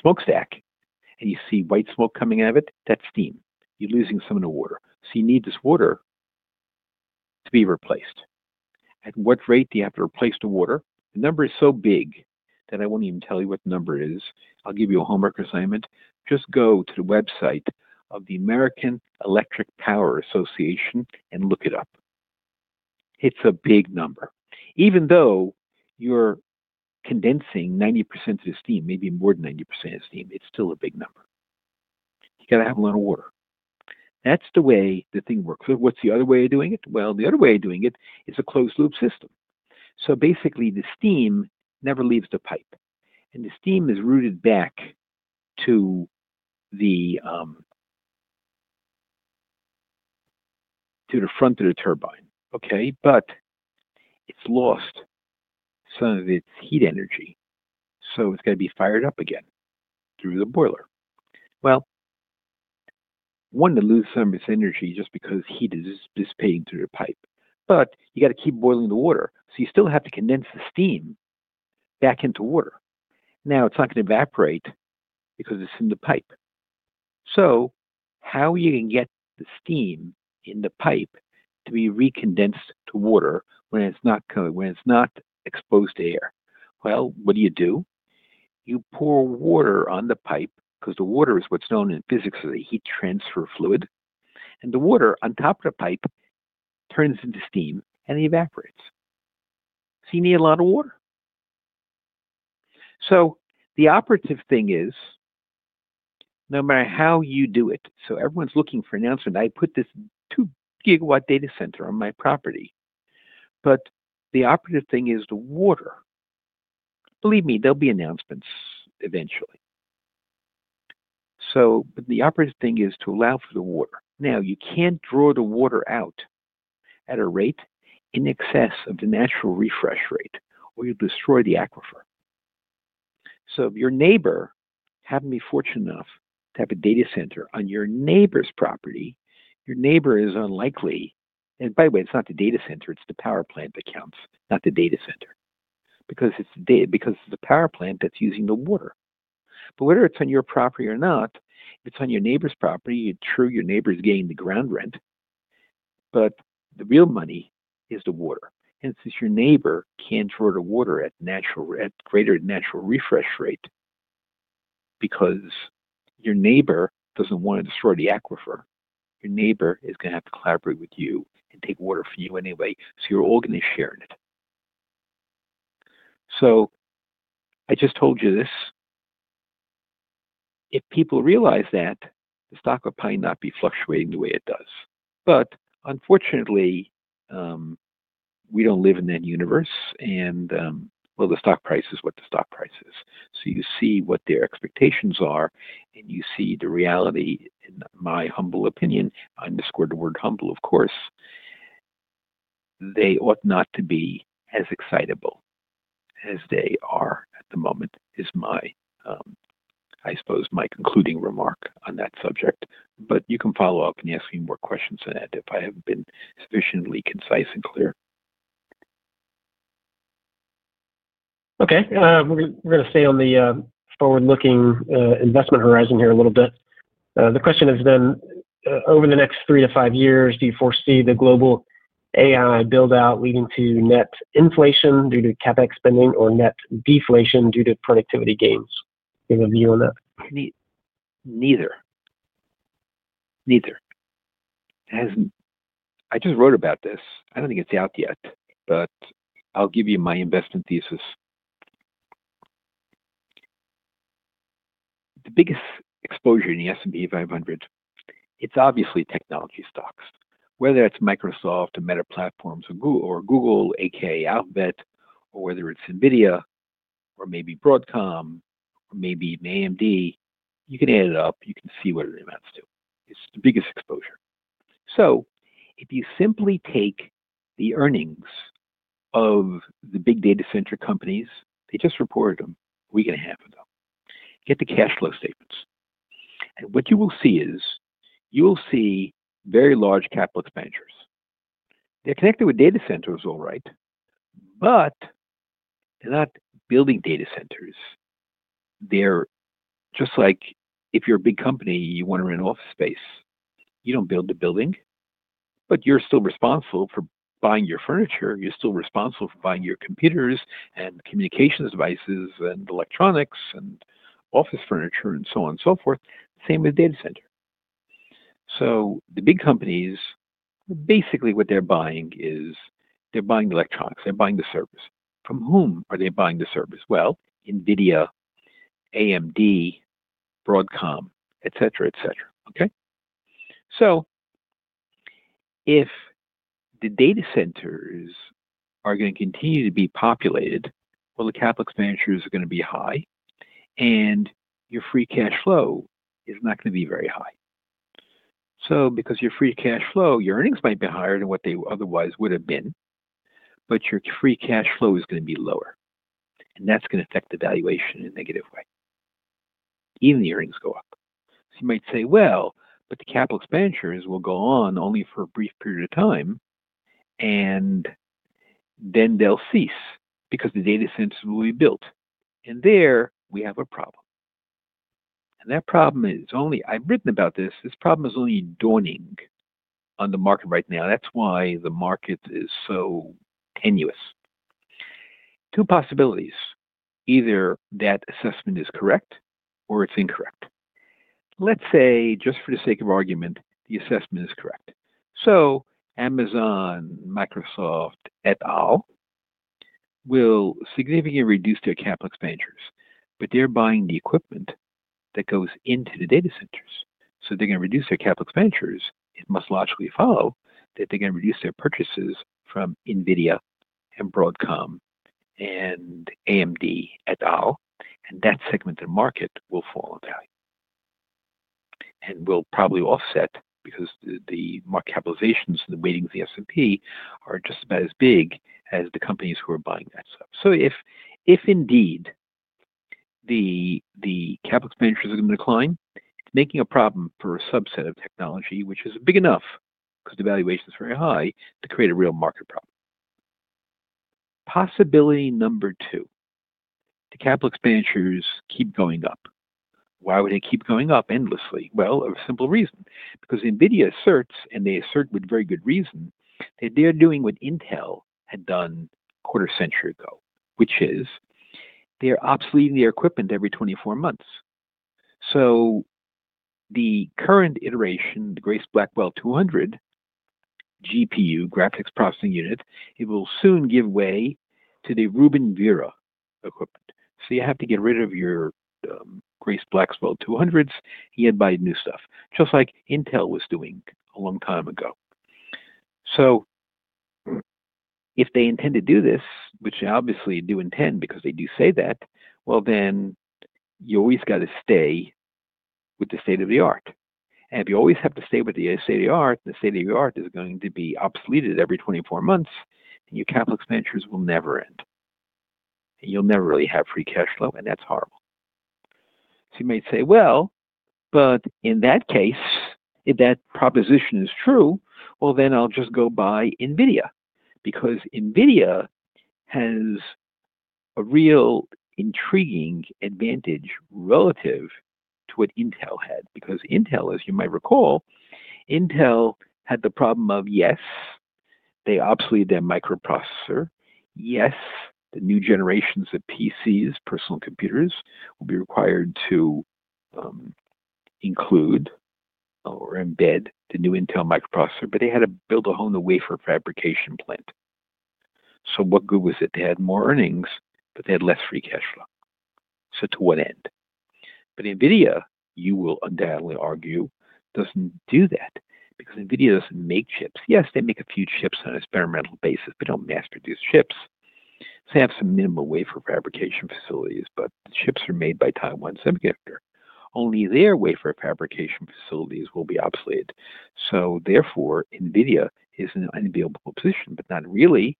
smoke stack and you see white smoke coming out of it, that's steam. You're losing some of the water. You need this water to be replaced. At what rate do you have to replace the water? The number is so big that I won't even tell you what the number is. I'll give you a homework assignment. Just go to the website of the American Electric Power Association and look it up. It's a big number. Even though you're condensing 90% of the steam, maybe more than 90% of the steam, it's still a big number. You got to have a lot of water. That's the way the thing works. What's the other way of doing it? The other way of doing it is a closed-loop system. So basically, the steam never leaves the pipe. The steam is routed back to the front of the turbine. Okay? It has lost some of its heat energy, so it has to be fired up again through the boiler. One, you lose some of its energy just because heat is dissipating through the pipe. You have to keep boiling the water. You still have to condense the steam back into water. Now, it is not going to evaporate because it is in the pipe. How are you going to get the steam in the pipe to be recondensed to water when it is not exposed to air? What do you do? You pour water on the pipe because the water is what is known in physics as a heat transfer fluid. The water on top of the pipe turns into steam and it evaporates. You need a lot of water. The operative thing is, no matter how you do it, everyone's looking for an announcement. I put this 2 GW data center on my property. The operative thing is the water. Believe me, there'll be announcements eventually. The operative thing is to allow for the water. You can't draw the water out at a rate in excess of the natural refresh rate, or you'll destroy the aquifer. If your neighbor happened to be fortunate enough to have a data center on your neighbor's property, your neighbor is unlikely. By the way, it's not the data center. It's the power plant that counts, not the data center, because it's the power plant that's using the water. Whether it is on your property or not, if it is on your neighbor's property, you are sure your neighbor is getting the ground rent. The real money is the water. Hence, your neighbor cannot draw the water at greater natural refresh rate because your neighbor does not want to destroy the aquifer. Your neighbor is going to have to collaborate with you and take water from you anyway. You are all going to be sharing it. I just told you this. If people realize that, the stock will probably not be fluctuating the way it does. Unfortunately, we do not live in that universe. The stock price is what the stock price is. You see what their expectations are, and you see the reality. In my humble opinion, I underscore the word humble, of course. They ought not to be as excitable as they are at the moment is, I suppose, my concluding remark on that subject. You can follow up and ask me more questions on that if I have not been sufficiently concise and clear. Okay. We are going to stay on the forward-looking investment horizon here a little bit. The question is then, over the next three to five years, do you foresee the global AI buildout leading to net inflation due to CapEx spending or net deflation due to productivity gains? Do you have a view on that? Neither. Neither. I just wrote about this. I do not think it is out yet, but I will give you my investment thesis. The biggest exposure in the S&P 500, it is obviously technology stocks. Whether it is Microsoft or Meta Platforms or Google a.k.a. Alphabet, or whether it's NVIDIA or maybe Broadcom or maybe AMD, you can add it up. You can see what it amounts to. It's the biggest exposure. If you simply take the earnings of the big data center companies, they just reported them a week and a half ago, get the cash flow statements. What you will see is you will see very large capital expenditures. They're connected with data centers, all right, but they're not building data centers. Just like if you're a big company, you want to rent office space. You don't build the building, but you're still responsible for buying your furniture. You're still responsible for buying your computers and communications devices and electronics and office furniture and so on and so forth. Same with data center. The big companies, basically what they're buying is they're buying electronics. They're buying the service. From whom are they buying the service? NVIDIA, AMD, Broadcom, etc., etc. Okay? If the data centers are going to continue to be populated, the capital expenditures are going to be high, and your free cash flow is not going to be very high. Because your free cash flow, your earnings might be higher than what they otherwise would have been, but your free cash flow is going to be lower. That is going to affect the valuation in a negative way, even if the earnings go up. You might say, "The capital expenditures will go on only for a brief period of time, and then they'll cease because the data centers will be built." There we have a problem. That problem is only—I've written about this. This problem is only dawning on the market right now. That's why the market is so tenuous. Two possibilities: either that assessment is correct or it's incorrect. Let's say, just for the sake of argument, the assessment is correct. Amazon, Microsoft, et al. will significantly reduce their capital expenditures, but they're buying the equipment that goes into the data centers. They're going to reduce their capital expenditures. It must logically follow that they're going to reduce their purchases from NVIDIA and Broadcom and AMD, et al. That segment of the market will fall in value. We'll probably offset because the capitalizations and the ratings of the S&P are just about as big as the companies who are buying that stuff. If indeed the capital expenditures are going to decline, it's making a problem for a subset of technology, which is big enough because the valuation is very high, to create a real market problem. Possibility number two, the capital expenditures keep going up. Why would they keep going up endlessly? A simple reason. Because NVIDIA asserts, and they assert with very good reason, that they're doing what Intel had done a quarter century ago, which is they're obsoleting their equipment every 24 months. The current iteration, the Grace Blackwell 200 GPU, graphics processing unit, it will soon give way to the Rubin Vera equipment. You have to get rid of your Grace Blackwell 200s and buy new stuff, just like Intel was doing a long time ago. If they intend to do this, which they obviously do intend because they do say that, you always got to stay with the state of the art. If you always have to stay with the state of the art, the state of the art is going to be obsoleted every 24 months, and your capital expenditures will never end. You'll never really have free cash flow, and that's horrible. You might say, "Well, in that case, if that proposition is true, I'll just go buy NVIDIA." NVIDIA has a real intriguing advantage relative to what Intel had. Intel, as you might recall, had the problem of, yes, they obsoleted their microprocessor. Yes, the new generations of PCs, personal computers, will be required to include or embed the new Intel microprocessor. They had to build a whole new wafer fabrication plant. What good was it? They had more earnings, but they had less free cash flow. To what end? NVIDIA, you will undoubtedly argue, does not do that. Because NVIDIA does not make chips. Yes, they make a few chips on an experimental basis, but they do not mass-produce chips. They have some minimal wafer fabrication facilities, but the chips are made by Taiwan Semiconductor. Only their wafer fabrication facilities will be obsolete. Therefore, NVIDIA is in an unavailable position, but not really,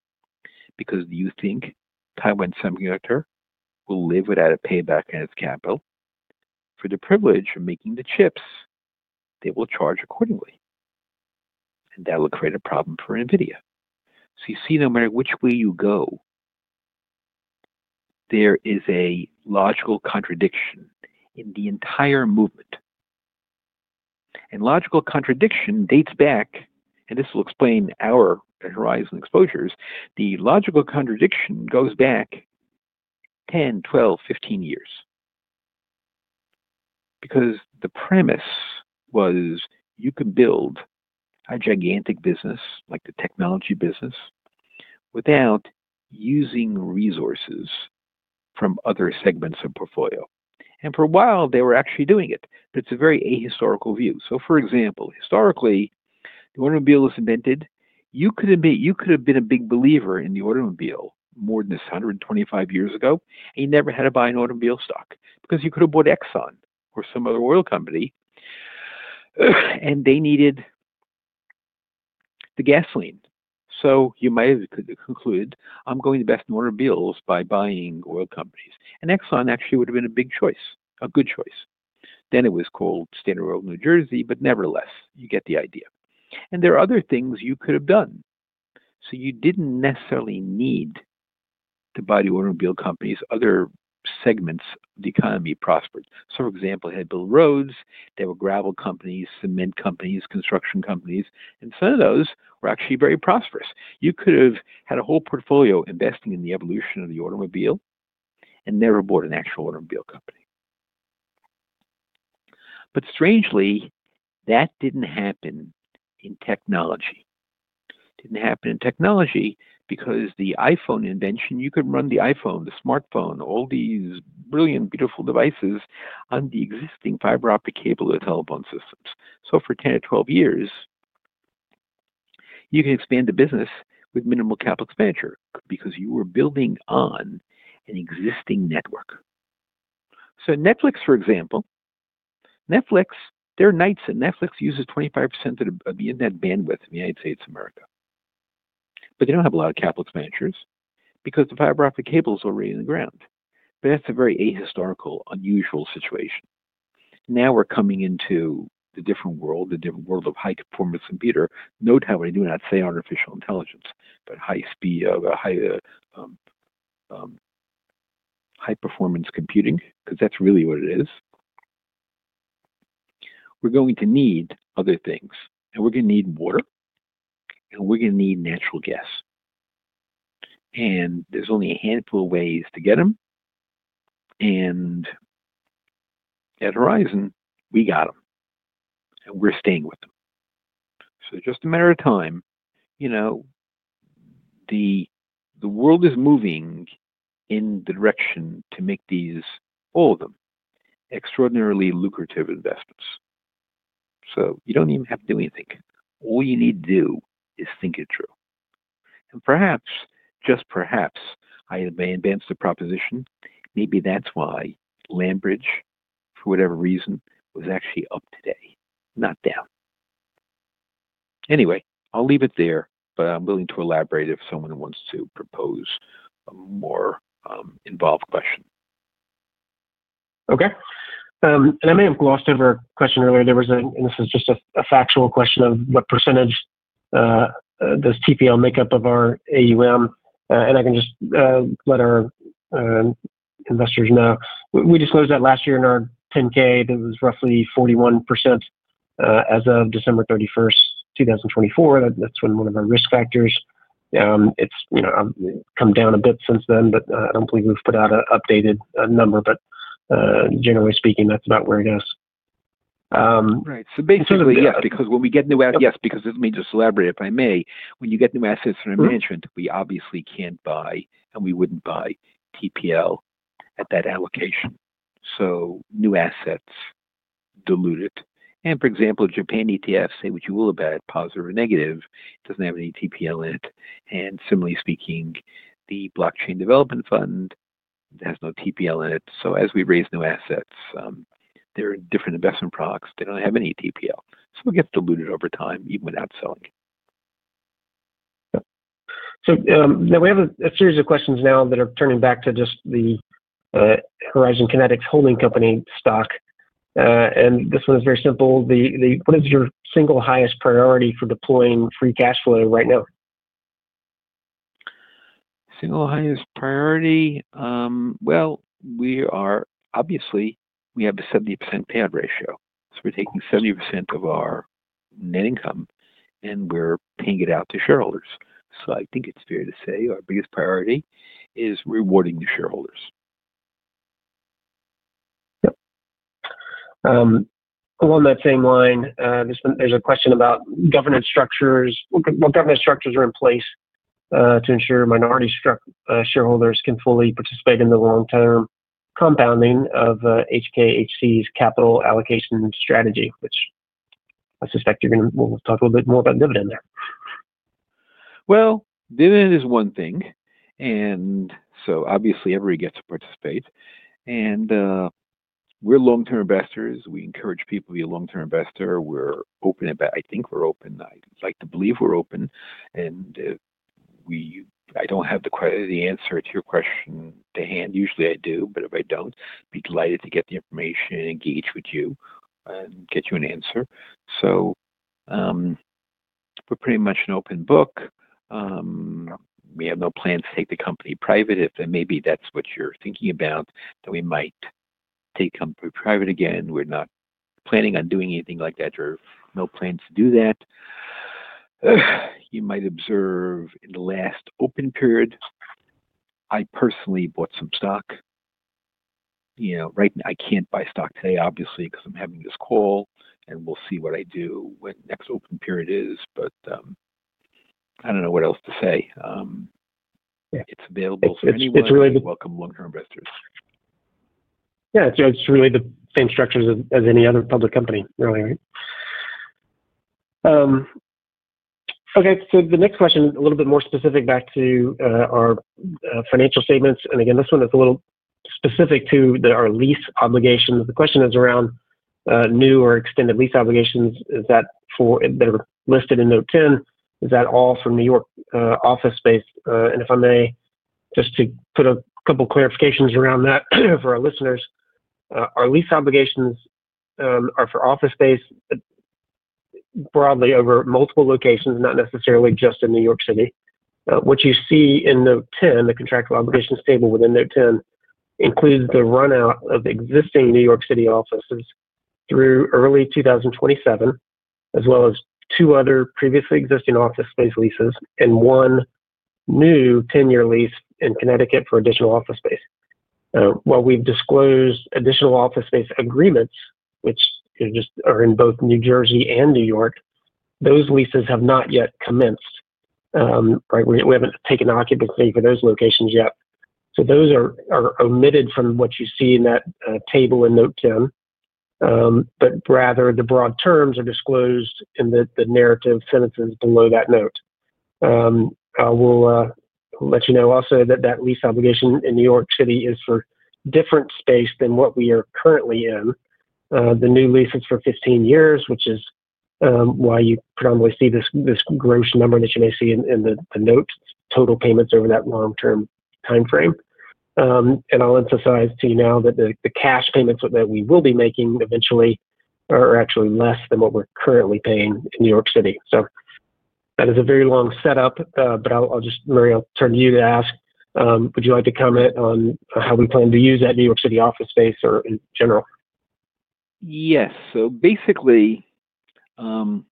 because you think Taiwan Semiconductor will live without a payback on its capital. For the privilege of making the chips, they will charge accordingly. That will create a problem for NVIDIA. You see, no matter which way you go, there is a logical contradiction in the entire movement. Logical contradiction dates back, and this will explain our horizon exposures. The logical contradiction goes back 10, 12, 15 years. Because the premise was you can build a gigantic business, like the technology business, without using resources from other segments of portfolio. And for a while, they were actually doing it. It is a very ahistorical view. For example, historically, the automobile was invented. You could have been a big believer in the automobile more than 125 years ago, and you never had to buy an automobile stock. You could have bought Exxon or some other oil company, and they needed the gasoline. You might have concluded, "I'm going to the best automobiles by buying oil companies." Exxon actually would have been a good choice. Then it was called Standard Oil of New Jersey, but nevertheless, you get the idea. There are other things you could have done. You did not necessarily need to buy the automobile companies. Other segments of the economy prospered. For example, they had Bill Roads. They were gravel companies, cement companies, construction companies. Some of those were actually very prosperous. You could have had a whole portfolio investing in the evolution of the automobile and never bought an actual automobile company. Strangely, that did not happen in technology. It did not happen in technology because the iPhone invention, you could run the iPhone, the smartphone, all these brilliant, beautiful devices on the existing fiber optic cable of telephone systems. For 10 or 12 years, you could expand the business with minimal capital expenditure because you were building on an existing network. Netflix, for example, Netflix, they're nice and Netflix uses 25% of the internet bandwidth in the United States of America. They do not have a lot of capital expenditures because the fiber optic cable is already in the ground. That is a very ahistorical, unusual situation. Now we're coming into the different world, the different world of high-performance computer. Note how I do not say artificial intelligence, but high-speed, high-performance computing, because that's really what it is. We're going to need other things. We're going to need water. We're going to need natural gas. There's only a handful of ways to get them. At Horizon, we got them. We're staying with them. It is just a matter of time, the world is moving in the direction to make these, all of them, extraordinarily lucrative investments. You do not even have to do anything. All you need to do is think it through. Perhaps, just perhaps, I may advance the proposition. Maybe that's why Lamberge, for whatever reason, was actually up today, not down. Anyway, I'll leave it there, but I'm willing to elaborate if someone wants to propose a more involved question. Okay. I may have glossed over a question earlier. This is just a factual question of what percentage does TPL make up of our AUM? I can just let our investors know. We disclosed that last year in our 10-K, that it was roughly 41% as of December 31st, 2024. That's been one of our risk factors. It's come down a bit since then, but I don't believe we've put out an updated number. Generally speaking, that's about where it is. Right. Basically, yes, because when we get new assets, yes, because let me just elaborate, if I may, when you get new assets from management, we obviously can't buy, and we wouldn't buy TPL at that allocation. New assets diluted. For example, Japan ETF, say what you will about it, positive or negative, does not have any TPL in it. Similarly speaking, the blockchain development fund has no TPL in it. As we raise new assets, there are different investment products. They do not have any TPL. It gets diluted over time, even without selling. We have a series of questions now that are turning back to just the Horizon Kinetics holding company stock. This one is very simple. What is your single highest priority for deploying free cash flow right now? Single highest priority. Obviously, we have a 70% payout ratio. We are taking 70% of our net income, and we are paying it out to shareholders. I think it is fair to say our biggest priority is rewarding the shareholders. Yep. Along that same line, there is a question about government structures. What government structures are in place to ensure minority shareholders can fully participate in the long-term compounding of HKHC's capital allocation strategy, which I suspect you're going to talk a little bit more about dividend there. Dividend is one thing. Obviously, everyone gets to participate. We're long-term investors. We encourage people to be a long-term investor. We're open, but I think we're open. I'd like to believe we're open. I don't have the answer to your question to hand. Usually, I do, but if I don't, I'd be delighted to get the information, engage with you, and get you an answer. We're pretty much an open book. We have no plans to take the company private. If maybe that's what you're thinking about, that we might take the company private again, we're not planning on doing anything like that. There are no plans to do that. You might observe in the last open period, I personally bought some stock. I can't buy stock today, obviously, because I'm having this call. We'll see what I do when the next open period is. I don't know what else to say. It's available for anyone. It really welcomes long-term investors. Yeah. It's really the same structures as any other public company, right? Okay. The next question, a little bit more specific back to our financial statements. Again, this one is a little specific to our lease obligations. The question is around new or extended lease obligations that are listed in Note 10. Is that all from New York office space if I may, just to put a couple of clarifications around that for our listeners, our lease obligations are for office space broadly over multiple locations, not necessarily just in New York City. What you see in Note 10, the contractual obligations table within Note 10, includes the run-out of existing New York City offices through early 2027, as well as two other previously existing office space leases and one new 10-year lease in Connecticut for additional office space. While we've disclosed additional office space agreements, which are in both New Jersey and New York, those leases have not yet commenced. We haven't taken occupancy for those locations yet. Those are omitted from what you see in that table in Note 10. Rather, the broad terms are disclosed in the narrative sentences below that note. I will let you know also that that lease obligation in New York City is for different space than what we are currently in. The new lease is for 15 years, which is why you predominantly see this gross number that you may see in the note total payments over that long-term time frame. I'll emphasize to you now that the cash payments that we will be making eventually are actually less than what we're currently paying in New York City. That is a very long setup, but I'll just, Murray, I'll turn to you to ask. Would you like to comment on how we plan to use that New York City office space or in general? Yes. Basically, we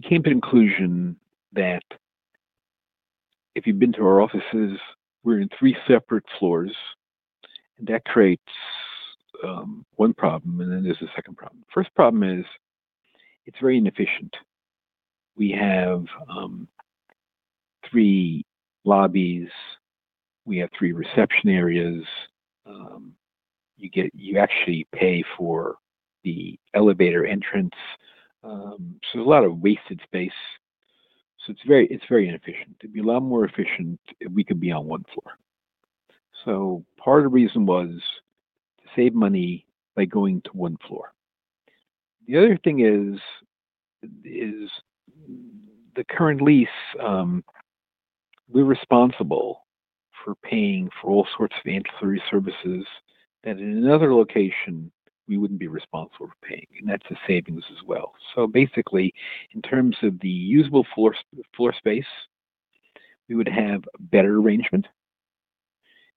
came to the conclusion that if you've been to our offices, we're in three separate floors. That creates one problem, and then there's a second problem. The first problem is it's very inefficient. We have three lobbies. We have three reception areas. You actually pay for the elevator entrance. There is a lot of wasted space. It is very inefficient. It would be a lot more efficient if we could be on one floor. Part of the reason was to save money by going to one floor. The other thing is the current lease, we are responsible for paying for all sorts of ancillary services that in another location, we would not be responsible for paying. That is the savings as well. Basically, in terms of the usable floor space, we would have a better arrangement.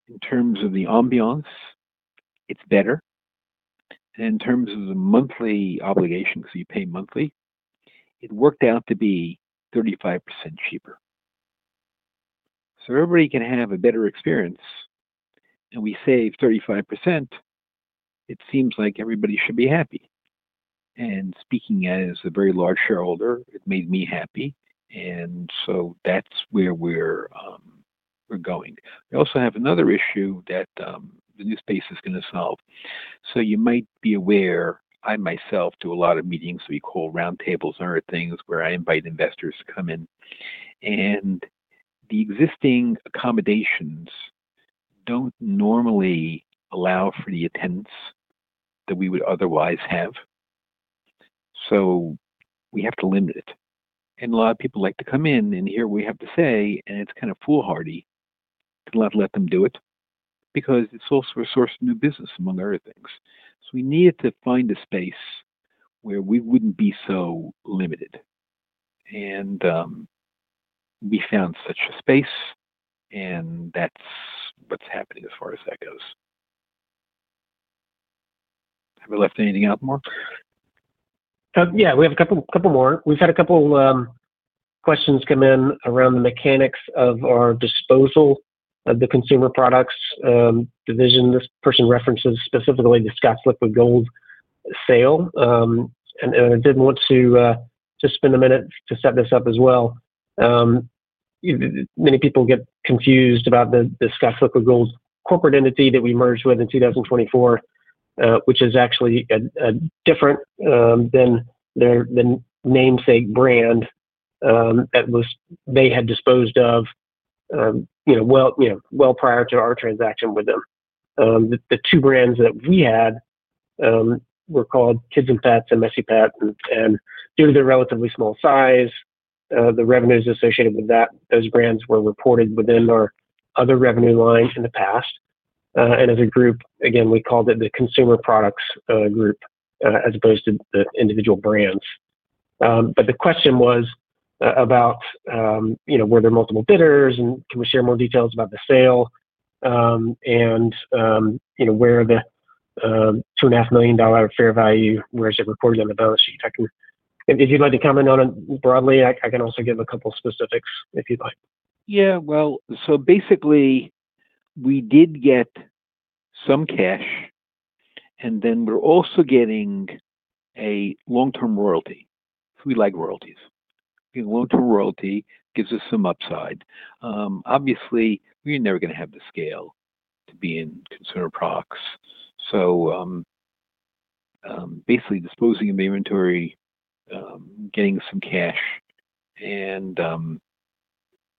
In terms of the ambiance, it is better. In terms of the monthly obligations, you pay monthly, it worked out to be 35% cheaper. Everybody can have a better experience. We save 35%. It seems like everybody should be happy. Speaking as a very large shareholder, it made me happy. That is where we are going. We also have another issue that the new space is going to solve. You might be aware, I myself do a lot of meetings. We call round tables and other things where I invite investors to come in. The existing accommodations do not normally allow for the attendance that we would otherwise have. We have to limit it. A lot of people like to come in and hear what we have to say, and it is kind of foolhardy to not let them do it because it is also a source of new business among other things. We needed to find a space where we would not be so limited. We found such a space, and that is what is happening as far as that goes. Have I left anything out more? Yeah. We have a couple more. We've had a couple of questions come in around the mechanics of our disposal of the consumer products division. This person references specifically the Scott's Liquid Gold sale. I did want to just spend a minute to set this up as well. Many people get confused about the Scott's Liquid Gold corporate entity that we merged with in 2024, which is actually different than the namesake brand that they had disposed of well prior to our transaction with them. The two brands that we had were called Kids n Pets and Messy Pet. Due to their relatively small size, the revenues associated with those brands were reported within our other revenue line in the past. As a group, again, we called it the consumer products group as opposed to the individual brands. The question was about, were there multiple bidders, and can we share more details about the sale, and where the $2.5 million fair value was recorded on the balance sheet? If you'd like to comment on it broadly, I can also give a couple of specifics if you'd like. Yeah. Basically, we did get some cash, and then we're also getting a long-term royalty. We like royalties. Long-term royalty gives us some upside. Obviously, we're never going to have the scale to be in consumer products. Basically, disposing of inventory, getting some cash, and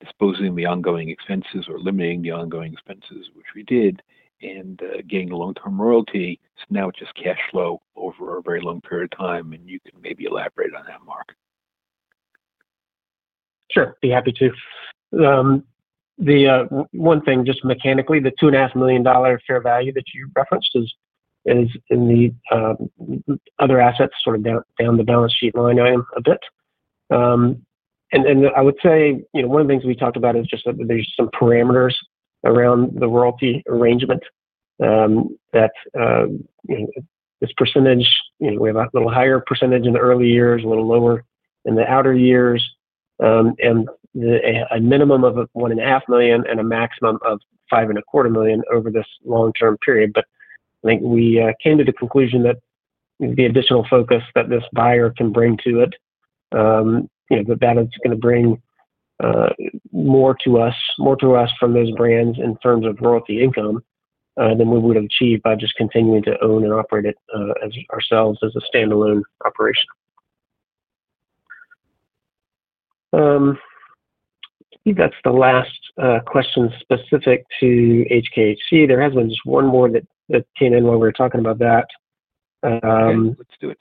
disposing of the ongoing expenses or limiting the ongoing expenses, which we did, and getting the long-term royalty. Now it's just cash flow over a very long period of time. You can maybe elaborate on that, Mark. Sure. Be happy to. The one thing, just mechanically, the $2.5 million fair value that you referenced is in the other assets sort of down the balance sheet line a bit. I would say one of the things we talked about is just that there's some parameters around the royalty arrangement that this percentage, we have a little higher percentage in the early years, a little lower in the outer years, and a minimum of $1.5 million and a maximum of $5.25 million over this long-term period. I think we came to the conclusion that the additional focus that this buyer can bring to it, that that is going to bring more to us from those brands in terms of royalty income than we would have achieved by just continuing to own and operate it ourselves as a standalone operation. I think that's the last question specific to HKHC. There has been just one more that came in while we were talking about that. Yeah. Let's do it.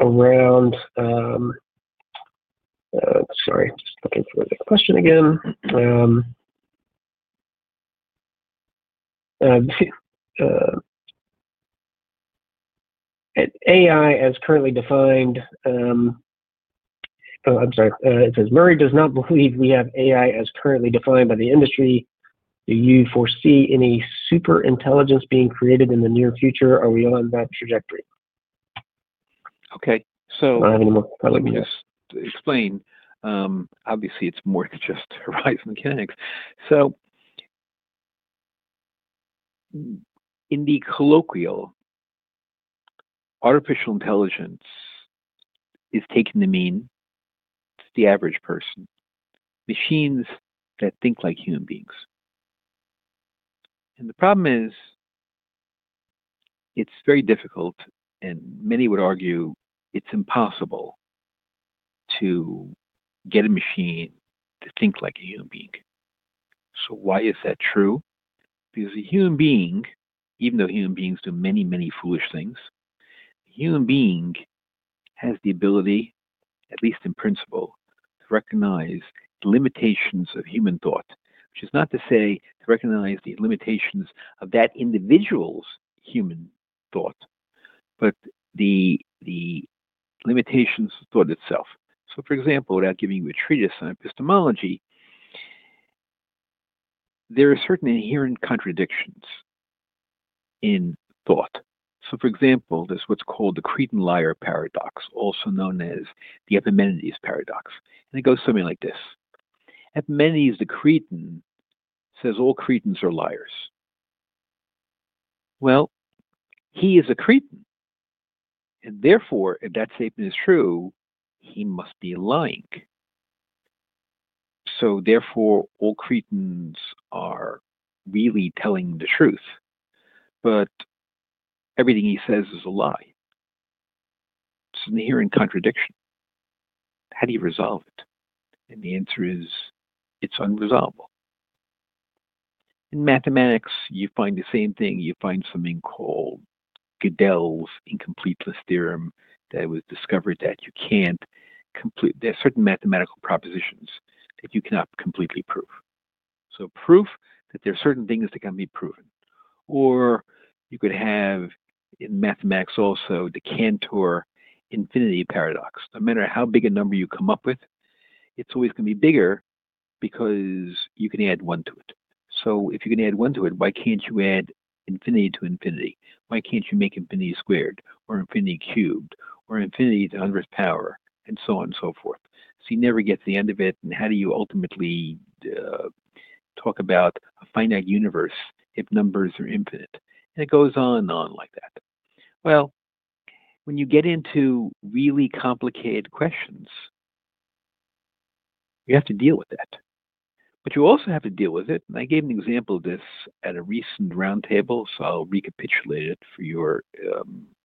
Around sorry, just looking for the question again. AI as currently defined I'm sorry. It says, "Murray does not believe we have AI as currently defined by the industry. Do you foresee any superintelligence being created in the near future? Are we on that trajectory?" Okay. I don't have any more. Let me just explain. Obviously, it's more than just Horizon Kinetics. In the colloquial, artificial intelligence is taking the mean, the average person, machines that think like human beings. The problem is it's very difficult, and many would argue it's impossible to get a machine to think like a human being. Why is that true? Because a human being, even though human beings do many, many foolish things, a human being has the ability, at least in principle, to recognize the limitations of human thought, which is not to say to recognize the limitations of that individual's human thought, but the limitations of thought itself. For example, without giving you a treatise on epistemology, there are certain inherent contradictions in thought. For example, there is what is called the Cretan-Liar Paradox, also known as the Epimenides Paradox. It goes something like this. Epimenides the Cretan says all Cretans are liars. He is a Cretan. Therefore, if that statement is true, he must be lying. Therefore, all Cretans are really telling the truth, but everything he says is a lie. It is an inherent contradiction. How do you resolve it? The answer is it is unresolvable. In mathematics, you find the same thing. You find something called Gödel's incompleteness theorem that was discovered that you can't complete. There are certain mathematical propositions that you cannot completely prove. So proof that there are certain things that can be proven. You could have in mathematics also the Cantor infinity paradox. No matter how big a number you come up with, it's always going to be bigger because you can add one to it. If you can add one to it, why can't you add infinity to infinity? Why can't you make infinity squared or infinity cubed or infinity to the hundredth power and so on and so forth? You never get to the end of it. How do you ultimately talk about a finite universe if numbers are infinite? It goes on and on like that. When you get into really complicated questions, you have to deal with that. You also have to deal with it. I gave an example of this at a recent round table, so I'll recapitulate it for your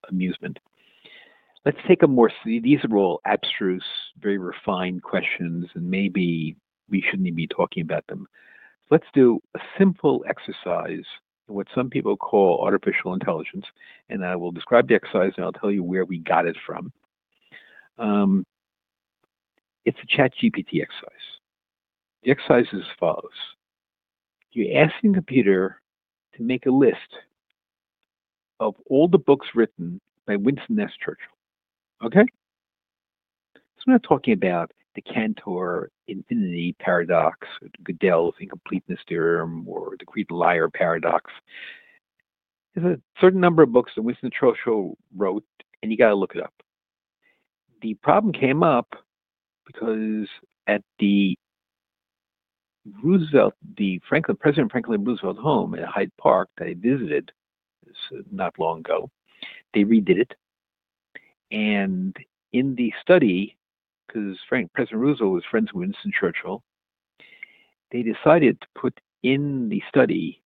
amusement. Let's take a more these are all abstruse, very refined questions, and maybe we shouldn't even be talking about them. Let's do a simple exercise in what some people call artificial intelligence. I will describe the exercise, and I'll tell you where we got it from. It's a ChatGPT exercise. The exercise is as follows. You ask a computer to make a list of all the books written by Winston Churchill. Okay? We're not talking about the Cantor infinity paradox or Gödel's incompleteness theorem or the Cretan-Liar Paradox. There's a certain number of books that Winston Churchill wrote, and you got to look it up. The problem came up because at the President Franklin Roosevelt home in Hyde Park that I visited not long ago, they redid it. In the study, because President Roosevelt was friends with Winston Churchill, they decided to put in the study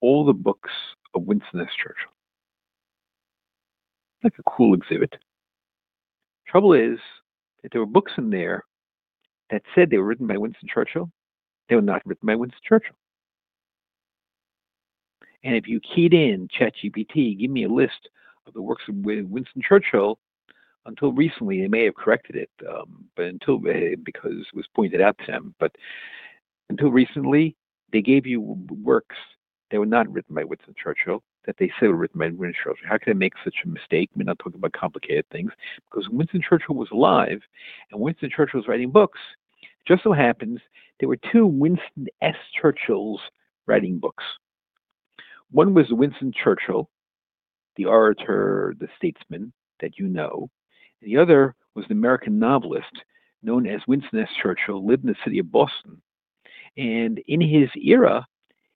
all the books of Winston Churchill. That's a cool exhibit. The trouble is that there were books in there that said they were written by Winston Churchill. They were not written by Winston Churchill. If you keyed in ChatGPT, give me a list of the works of Winston Churchill. Until recently, they may have corrected it because it was pointed out to them. Until recently, they gave you works that were not written by Winston Churchill that they said were written by Winston Churchill. How can I make such a mistake? We're not talking about complicated things. Because Winston Churchill was alive, and Winston Churchill was writing books. It just so happens, there were two Winston S. Churchills writing books. One was Winston Churchill, the orator, the statesman that you know. The other was an American novelist known as Winston S. Churchill, who lived in the city of Boston. In his era,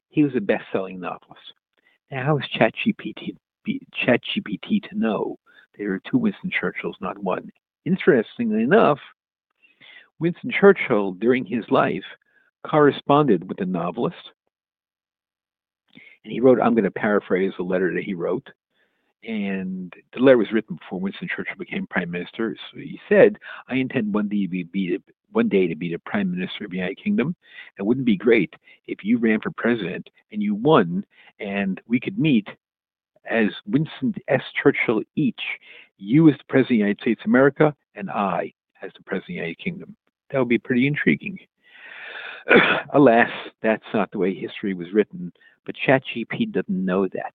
he was a best-selling novelist. Now, how is ChatGPT to know there are two Winston Churchills, not one? Interestingly enough, Winston Churchill, during his life, corresponded with a novelist. He wrote, "I'm going to paraphrase a letter that he wrote." The letter was written before Winston Churchill became prime minister. He said, "I intend one day to be the prime minister of the United Kingdom. It wouldn't be great if you ran for president and you won, and we could meet as Winston S. Churchill each. You as the President of the United States of America and I as the President of the United Kingdom. That would be pretty intriguing." Alas, that is not the way history was written. ChatGPT does not know that.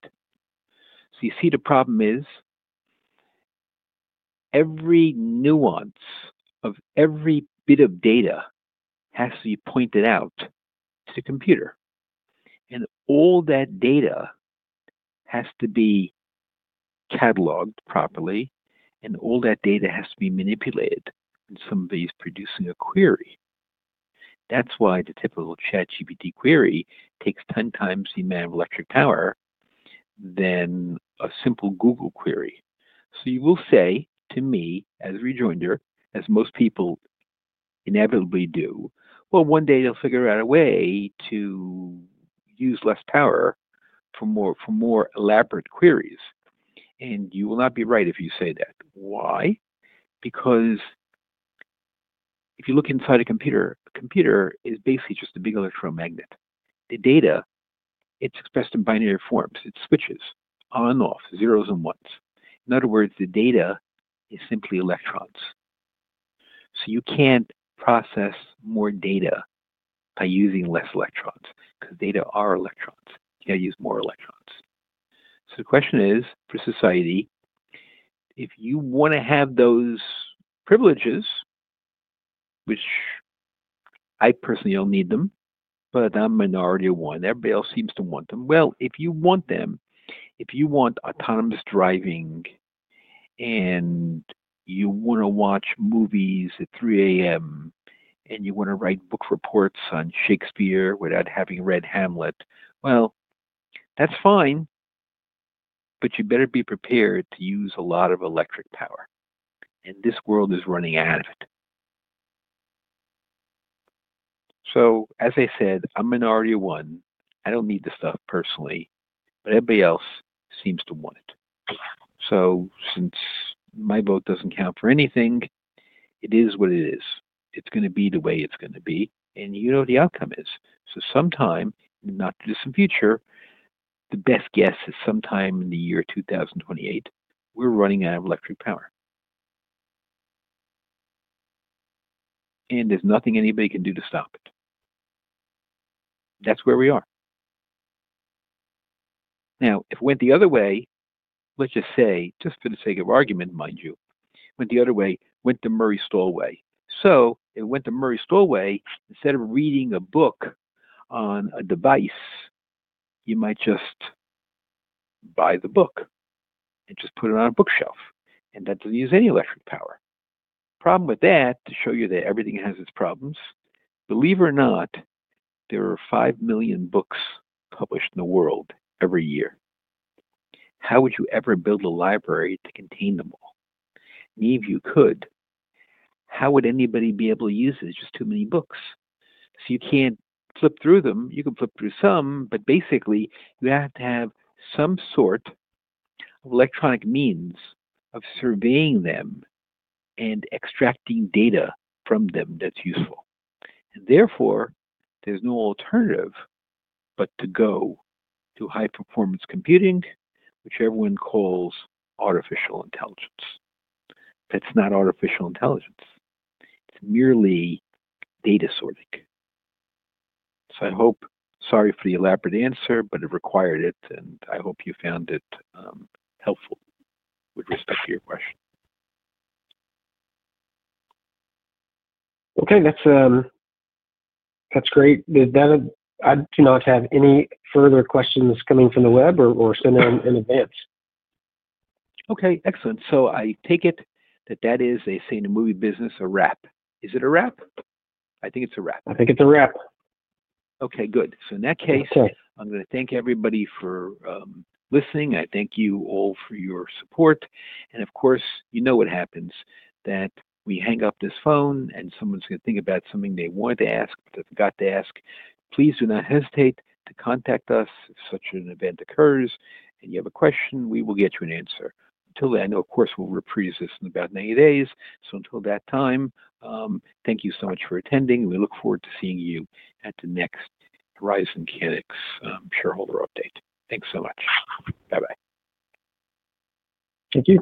You see the problem is every nuance of every bit of data has to be pointed out to the computer. All that data has to be cataloged properly, and all that data has to be manipulated. Somebody is producing a query. That is why the typical ChatGPT query takes 10 times the amount of electric power than a simple Google query. You will say to me, as a rejoinder, as most people inevitably do, "One day they will figure out a way to use less power for more elaborate queries." You will not be right if you say that. Why? Because if you look inside a computer, a computer is basically just a big electron magnet. The data, it's expressed in binary forms. It switches on and off, zeros and ones. In other words, the data is simply electrons. So you can't process more data by using less electrons because data are electrons. You can't use more electrons. The question is, for society, if you want to have those privileges, which I personally don't need them, but I'm a minority of one, everybody else seems to want them. If you want them, if you want autonomous driving and you want to watch movies at 3:00 A.M. and you want to write book reports on Shakespeare without having read Hamlet, that's fine, but you better be prepared to use a lot of electric power. This world is running out of it. As I said, I'm a minority of one. I don't need the stuff personally, but everybody else seems to want it. Since my vote doesn't count for anything, it is what it is. It's going to be the way it's going to be. You know what the outcome is. Sometime, not too distant future, the best guess is sometime in the year 2028, we're running out of electric power. There's nothing anybody can do to stop it. That's where we are. If it went the other way, just for the sake of argument, mind you, it went the other way, it went the Murray Stahl way. If it went the Murray Stahl way, instead of reading a book on a device, you might just buy the book and just put it on a bookshelf. That doesn't use any electric power. Problem with that, to show you that everything has its problems, believe it or not, there are 5 million books published in the world every year. How would you ever build a library to contain them all? Even if you could, how would anybody be able to use it? It's just too many books. You can't flip through them. You can flip through some, but basically, you have to have some sort of electronic means of surveying them and extracting data from them that's useful. Therefore, there's no alternative but to go to high-performance computing, which everyone calls artificial intelligence. That's not artificial intelligence. It's merely data sorting. I hope—sorry for the elaborate answer, but it required it, and I hope you found it helpful with respect to your question. Okay. That's great. I do not have any further questions coming from the web or sent in advance. Okay. Excellent. I take it that that is, they say in the movie business, a wrap. Is it a wrap? I think it's a wrap. I think it's a wrap. Okay. Good. In that case, I'm going to thank everybody for listening. I thank you all for your support. Of course, you know what happens that we hang up this phone and someone's going to think about something they wanted to ask but have got to ask. Please do not hesitate to contact us if such an event occurs. If you have a question, we will get you an answer. Until then, I know, of course, we'll reprise this in about 90 days. Until that time, thank you so much for attending. We look forward to seeing you at the next Horizon Kinetics shareholder update. Thanks so much. Bye-bye. Thank you.